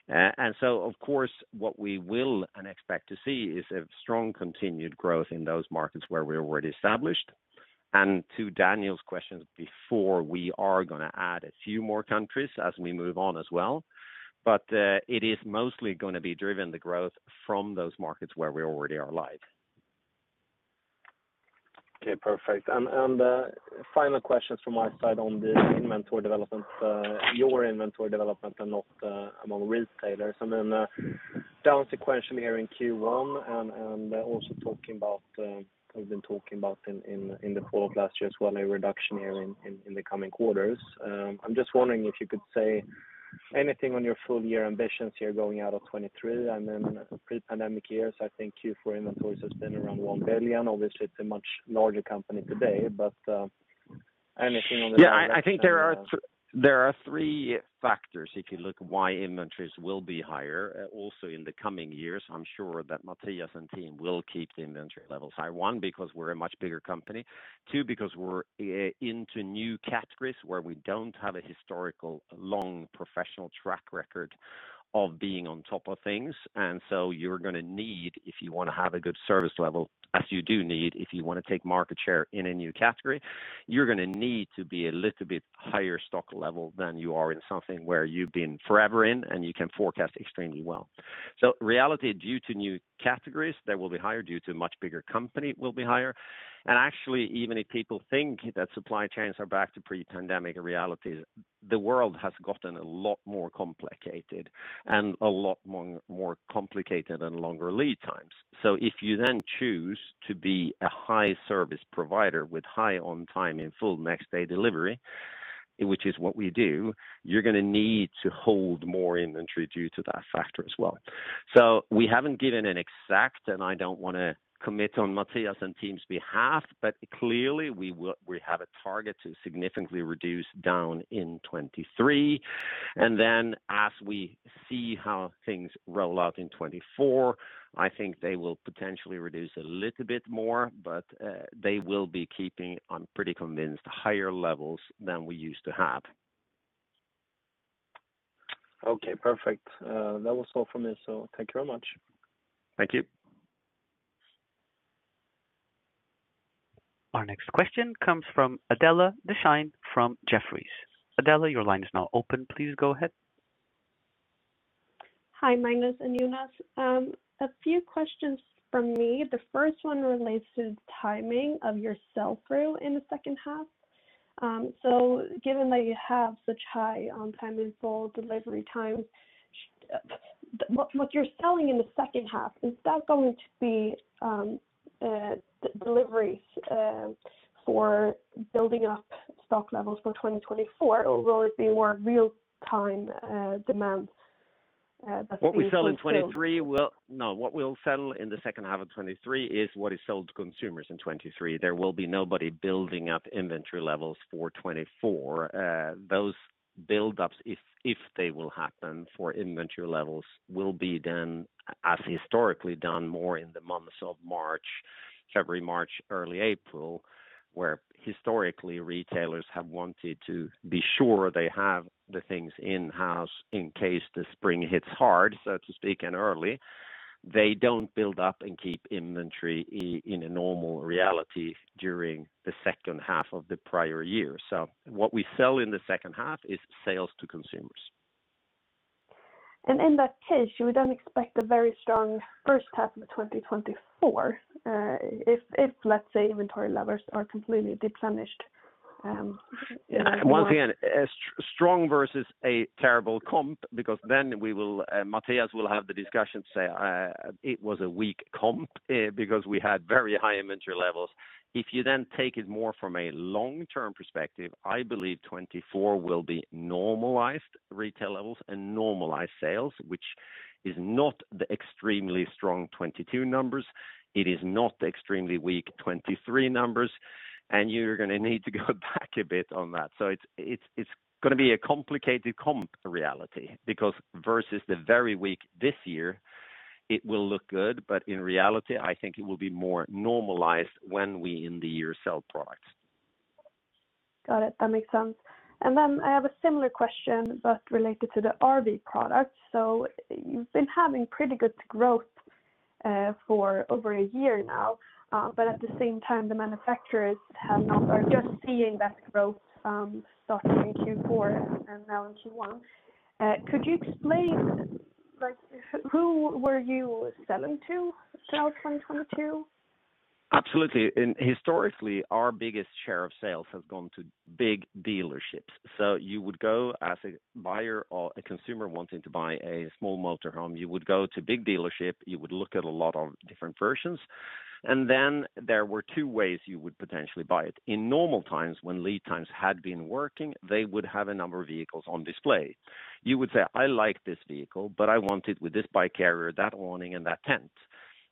Of course, what we will and expect to see is a strong continued growth in those markets where we're already established. To Daniel's question before, we are gonna add a few more countries as we move on as well. It is mostly gonna be driven the growth from those markets where we already are live. Okay, perfect. Final questions from my side on the inventory development, your inventory development and not among retailers. I mean, down sequentially here in Q1 and also talking about, we've been talking about in the fall of last year as well, a reduction here in the coming quarters. I'm just wondering if you could say anything on your full year ambitions here going out of 2023 and then pre-pandemic years. I think Q4 inventories have been around 1 billion. Obviously, it's a much larger company today, but anything on the. Yeah, I think there are three factors if you look why inventories will be higher also in the coming years. I'm sure that Mattias and team will keep the inventory levels high, one, because we're a much bigger company, two, because we're into new categories where we don't have a historical, long professional track record of being on top of things. You're gonna need, if you wanna have a good service level, as you do need, if you wanna take market share in a new category, you're gonna need to be a little bit higher stock level than you are in something where you've been forever in and you can forecast extremely well. Reality, due to new categories, they will be higher, due to much bigger company, will be higher. Actually, even if people think that supply chains are back to pre-pandemic, in reality, the world has gotten a lot more complicated and a lot more complicated and longer lead times. If you then choose to be a high service provider with high on time and full next day delivery, which is what we do, you're gonna need to hold more inventory due to that factor as well. We haven't given an exact, and I don't wanna commit on Mattias and team's behalf, but clearly, we have a target to significantly reduce down in 2023. Then as we see how things roll out in 2024, I think they will potentially reduce a little bit more, but they will be keeping, I'm pretty convinced, higher levels than we used to have. Okay, perfect. That was all from me. Thank you very much. Thank you. Our next question comes from Adela Dashian from Jefferies. Adela, your line is now open. Please go ahead. Hi, Magnus and Jonas. A few questions from me. The first one relates to the timing of your sell-through in the second half. Given that you have such high on time and full delivery time, what you're selling in the second half, is that going to be deliveries for building up stock levels for 2024 or will it be more real time demand that's being fulfilled? What we sell in 2023. No, what we'll sell in the second half of 2023 is what is sold to consumers in 2023. There will be nobody building up inventory levels for 2024. Those buildups if they will happen for inventory levels will be then as historically done more in the months of March, February, March, early April, where historically retailers have wanted to be sure they have the things in-house in case the spring hits hard, so to speak, and early. They don't build up and keep inventory in a normal reality during the second half of the prior year. What we sell in the second half is sales to consumers. In that case, you wouldn't expect a very strong first half of 2024, if, let's say, inventory levels are completely replenished, in. Once again, a strong versus a terrible comp. Matthias will have the discussion say, it was a weak comp, because we had very high inventory levels. If you then take it more from a long-term perspective, I believe 2024 will be normalized retail levels and normalized sales, which is not the extremely strong 2022 numbers. It is not the extremely weak 2023 numbers. You're gonna need to go back a bit on that. It's gonna be a complicated comp reality because versus the very weak this year, it will look good. In reality, I think it will be more normalized when we in the year sell products. Got it. That makes sense. I have a similar question, but related to the RV products. You've been having pretty good growth, for over a year now, but at the same time, the manufacturers are just seeing that growth, starting in Q4 and now in Q1. Could you explain, like, who were you selling to throughout 2022? Absolutely. Historically, our biggest share of sales has gone to big dealerships. You would go as a buyer or a consumer wanting to buy a small motor home, you would go to big dealership, you would look at a lot of different versions. Then there were two ways you would potentially buy it. In normal times when lead times had been working, they would have a number of vehicles on display. You would say, "I like this vehicle, but I want it with this bike carrier, that awning, and that tent."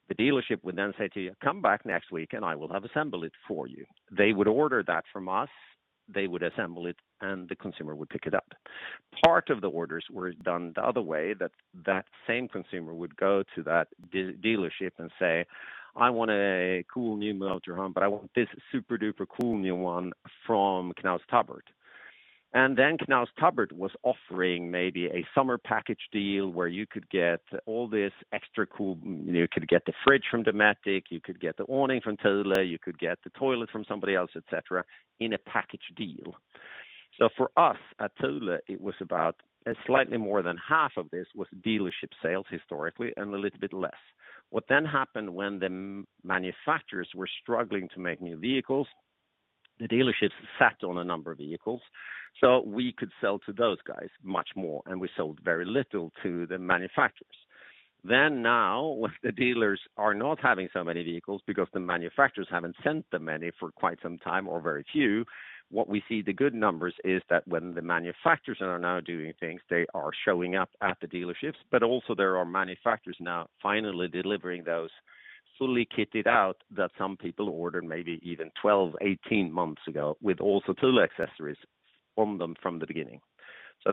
The dealership would then say to you, "Come back next week and I will have assembled it for you." They would order that from us, they would assemble it, and the consumer would pick it up. Part of the orders were done the other way that same consumer would go to that dealership and say, "I want a cool new motor home, but I want this super-duper cool new one from Knaus Tabbert." Knaus Tabbert was offering maybe a summer package deal where you could get all this extra cool... You know, you could get the fridge from Dometic, you could get the awning from Thule, you could get the toilet from somebody else, et cetera, in a package deal. For us at Thule, it was about slightly more than half of this was dealership sales historically and a little bit less. What then happened when the manufacturers were struggling to make new vehicles, the dealerships sat on a number of vehicles, so we could sell to those guys much more, and we sold very little to the manufacturers. Now, when the dealers are not having so many vehicles because the manufacturers haven't sent them any for quite some time or very few, what we see the good numbers is that when the manufacturers are now doing things, they are showing up at the dealerships. Also, there are manufacturers now finally delivering those fully kitted out that some people ordered maybe even 12, 18 months ago with also Thule accessories on them from the beginning.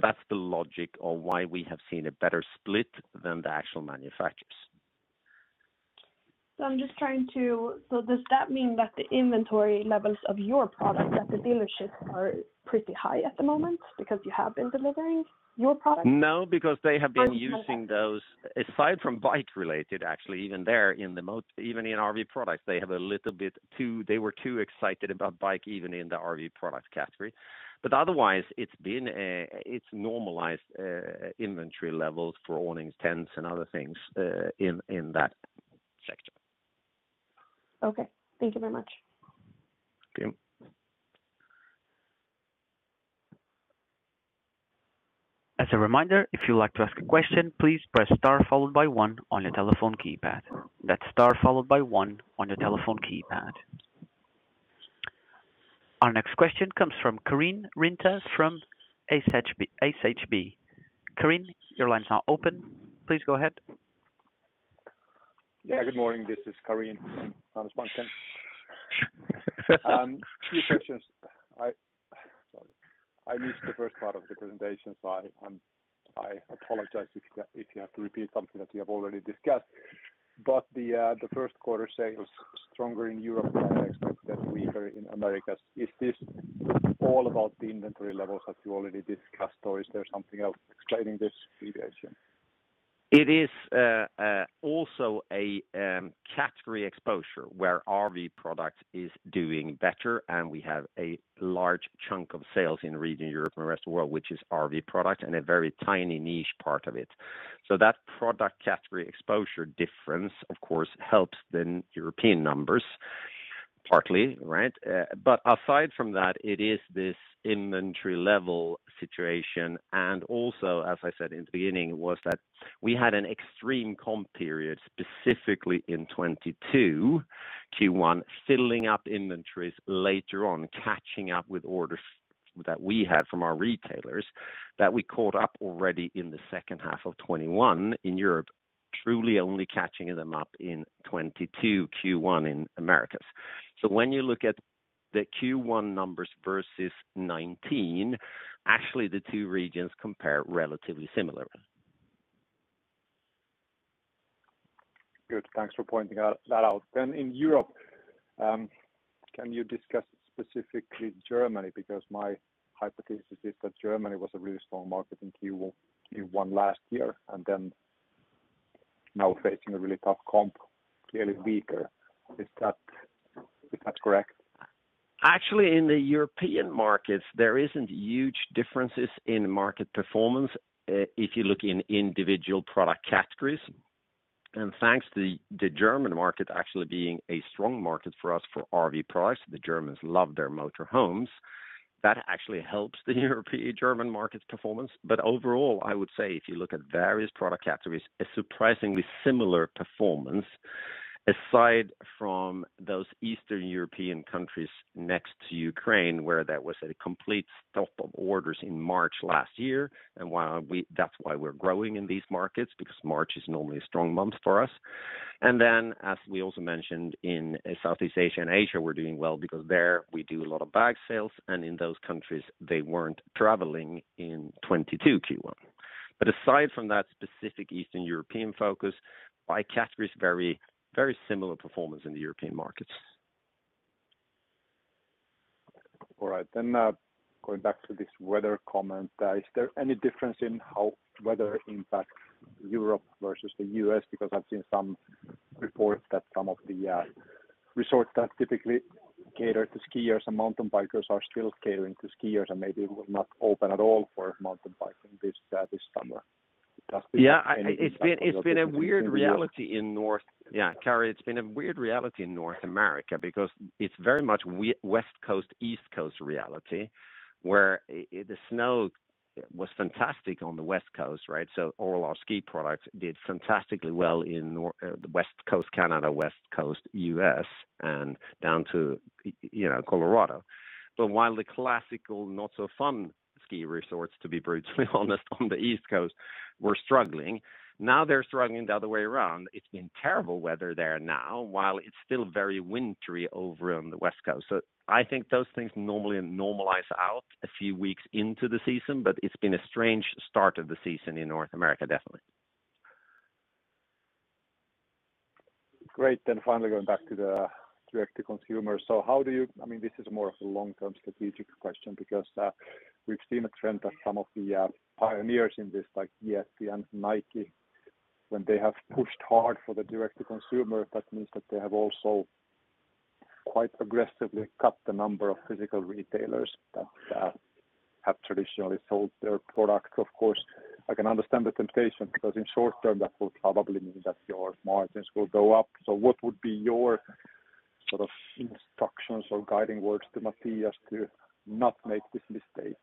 That's the logic on why we have seen a better split than the actual manufacturers. Does that mean that the inventory levels of your product at the dealerships are pretty high at the moment because you have been delivering your product? No, because they have been using those aside from bike related, actually, even there in RV products, they have a little bit they were too excited about bike even in the RV product category. Otherwise, it's been it's normalized inventory levels for awnings, tents, and other things in that sector. Okay. Thank you very much. Okay. As a reminder, if you would like to ask a question, please press star followed by one on your telephone keypad. That's star followed by one on your telephone keypad. Our next question comes from Karri Rinta from SHB. Karri, your line is now open. Please go ahead. Yeah. Good morning. This is Karri Rinta from Handelsbanken. two questions. Sorry. I missed the first part of the presentation, so I apologize if you have to repeat something that you have already discussed. The first quarter sales stronger in Europe than I expect that weaker in Americas. Is this all about the inventory levels that you already discussed, or is there something else explaining this deviation? It is also a category exposure where RV product is doing better, and we have a large chunk of sales in region Europe and the rest of the world, which is RV product and a very tiny niche part of it. That product category exposure difference, of course, helps the European numbers partly, right? Aside from that, it is this inventory level situation. Also, as I said in the beginning, was that we had an extreme comp period, specifically in 2022 Q1 filling up inventories later on, catching up with orders that we had from our retailers that we caught up already in the second half of 2021 in Europe, truly only catching them up in 2022 Q1 in Americas. When you look at the Q1 numbers versus 2019, actually the two regions compare relatively similarly. Good. Thanks for pointing that out. In Europe, can you discuss specifically Germany? My hypothesis is that Germany was a really strong market in Q1 last year, now facing a really tough comp, clearly weaker. Is that correct? Actually, in the European markets, there isn't huge differences in market performance if you look in individual product categories. Thanks to the German market actually being a strong market for us for RV products, the Germans love their motor homes. That actually helps the European German market performance. Overall, I would say if you look at various product categories, a surprisingly similar performance, aside from those Eastern European countries next to Ukraine, where there was a complete stop of orders in March last year. While that's why we're growing in these markets, because March is normally a strong month for us. As we also mentioned in Southeast Asia and Asia, we're doing well because there we do a lot of bag sales, and in those countries, they weren't traveling in 2022 Q1. Aside from that specific Eastern European focus, by category, it's very, very similar performance in the European markets. All right. Going back to this weather comment, is there any difference in how weather impacts Europe versus the U.S.? I've seen some reports that some of the resorts that typically cater to skiers and mountain bikers are still catering to skiers and maybe will not open at all for mountain biking this summer. Has there been any impact? Karri, it's been a weird reality in North America because it's very much West Coast, East Coast reality, where the snow was fantastic on the West Coast, right? All our ski products did fantastically well in the West Coast Canada, West Coast U.S., and down to, you know, Colorado. While the classical not so fun ski resorts, to be brutally honest, on the East Coast were struggling. Now they're struggling the other way around. It's been terrible weather there now, while it's still very wintry over on the West Coast. I think those things normally normalize out a few weeks into the season, but it's been a strange start of the season in North America, definitely. Great. Finally going back to the direct to consumer. I mean, this is more of a long-term strategic question because we've seen a trend that some of the pioneers in this, like ESPN, Nike, when they have pushed hard for the direct to consumer, that means that they have also quite aggressively cut the number of physical retailers that have traditionally sold their products. Of course, I can understand the temptation because in short term, that will probably mean that your margins will go up. What would be your sort of instructions or guiding words to Matthias to not make this mistake?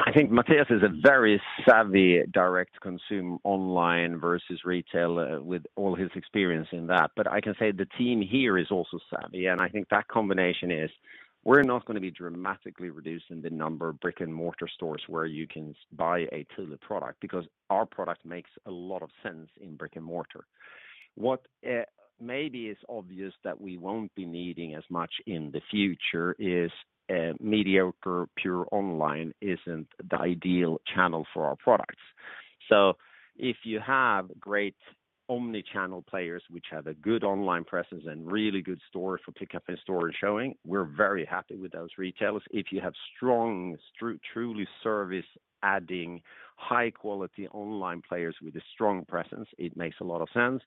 I think Matthias is a very savvy direct consume online versus retail with all his experience in that. I can say the team here is also savvy, and I think that combination is we're not going to be dramatically reducing the number of brick-and-mortar stores where you can buy a Thule product because our product makes a lot of sense in brick and mortar. What maybe is obvious that we won't be needing as much in the future is a mediocre pure online isn't the ideal channel for our products. If you have great omni-channel players which have a good online presence and really good store for pickup and store and showing, we're very happy with those retailers. If you have strong, truly service adding high quality online players with a strong presence, it makes a lot of sense.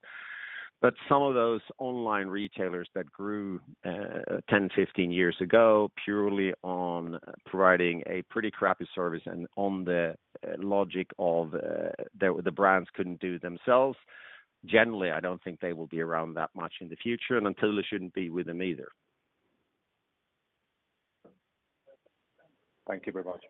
Some of those online retailers that grew, 10, 15 years ago purely on providing a pretty crappy service and on the logic of, the brands couldn't do themselves, generally, I don't think they will be around that much in the future, and Thule shouldn't be with them either. Thank you very much.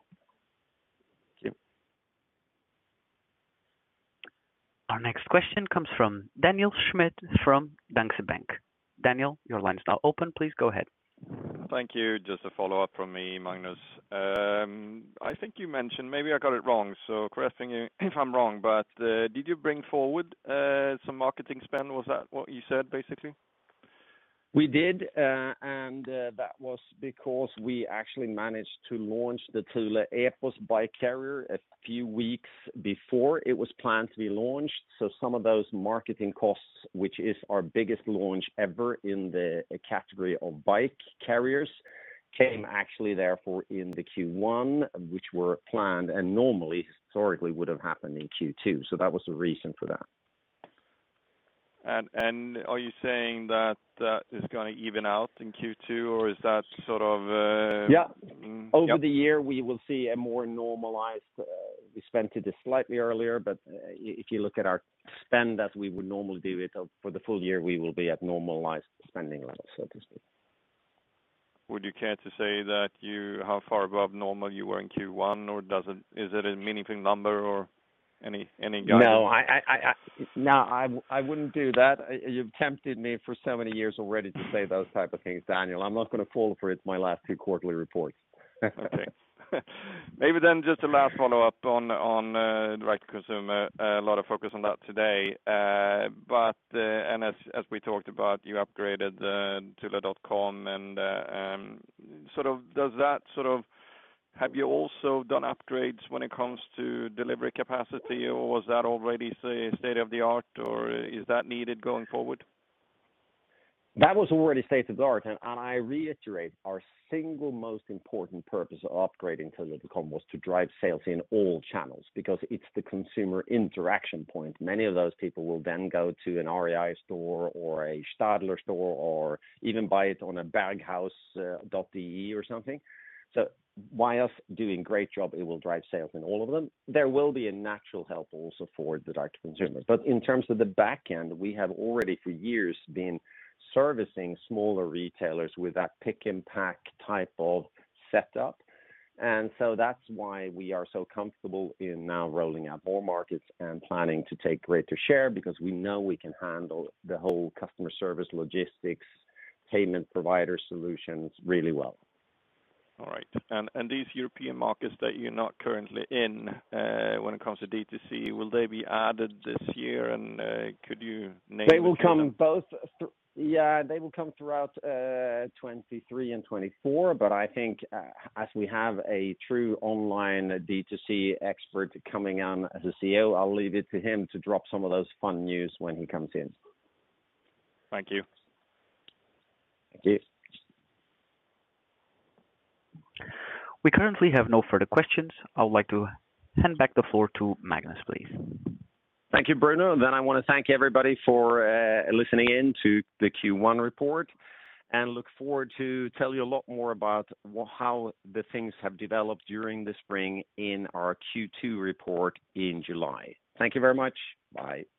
Thank you. Our next question comes from Daniel Schmidt from Danske Bank. Daniel, your line is now open. Please go ahead. Thank you. Just a follow-up from me, Magnus. I think you mentioned, maybe I got it wrong, so correcting you if I'm wrong, but, did you bring forward, some marketing spend? Was that what you said, basically? We did, and that was because we actually managed to launch the Thule Epos bike carrier a few weeks before it was planned to be launched. Some of those marketing costs, which is our biggest launch ever in the category of bike carriers, came actually therefore in the Q1, which were planned and normally, historically would have happened in Q2. That was the reason for that. Are you saying that that is gonna even out in Q2, or is that sort of? Yeah. Yeah. Over the year, we will see a more normalized. We spent it slightly earlier, but if you look at our spend as we would normally do it for the full year, we will be at normalized spending levels, so to speak. Would you care to say that how far above normal you were in Q1 or is it a meaningful number or any guidance? No, I wouldn't do that. You've tempted me for so many years already to say those type of things, Daniel. I'm not gonna fall for it my last two quarterly reports. Okay. Maybe just a last follow-up on direct to consumer. A lot of focus on that today. But as we talked about, you upgraded thule.com. Have you also done upgrades when it comes to delivery capacity, or was that already state of the art, or is that needed going forward? That was already state of the art. I reiterate our single most important purpose of upgrading thule.com was to drive sales in all channels because it's the consumer interaction point. Many of those people will then go to an REI store or a Stadler store or even buy it on a baghouse.de or something. By us doing great job, it will drive sales in all of them. There will be a natural help also for the Direct-to-Consumer. In terms of the back end, we have already for years been servicing smaller retailers with that pick impact type of setup. That's why we are so comfortable in now rolling out more markets and planning to take greater share because we know we can handle the whole customer service, logistics, payment provider solutions really well. All right. These European markets that you're not currently in, when it comes to D2C, will they be added this year? Could you name a few of them? They will come both Yeah, they will come throughout 2023 and 2024, but I think as we have a true online D2C expert coming on as a CEO, I'll leave it to him to drop some of those fun news when he comes in. Thank you. Thank you. We currently have no further questions. I would like to hand back the floor to Magnus, please. Thank you, Bruno. I wanna thank everybody for listening in to the Q1 report and look forward to tell you a lot more about how the things have developed during the spring in our Q2 report in July. Thank you very much. Bye.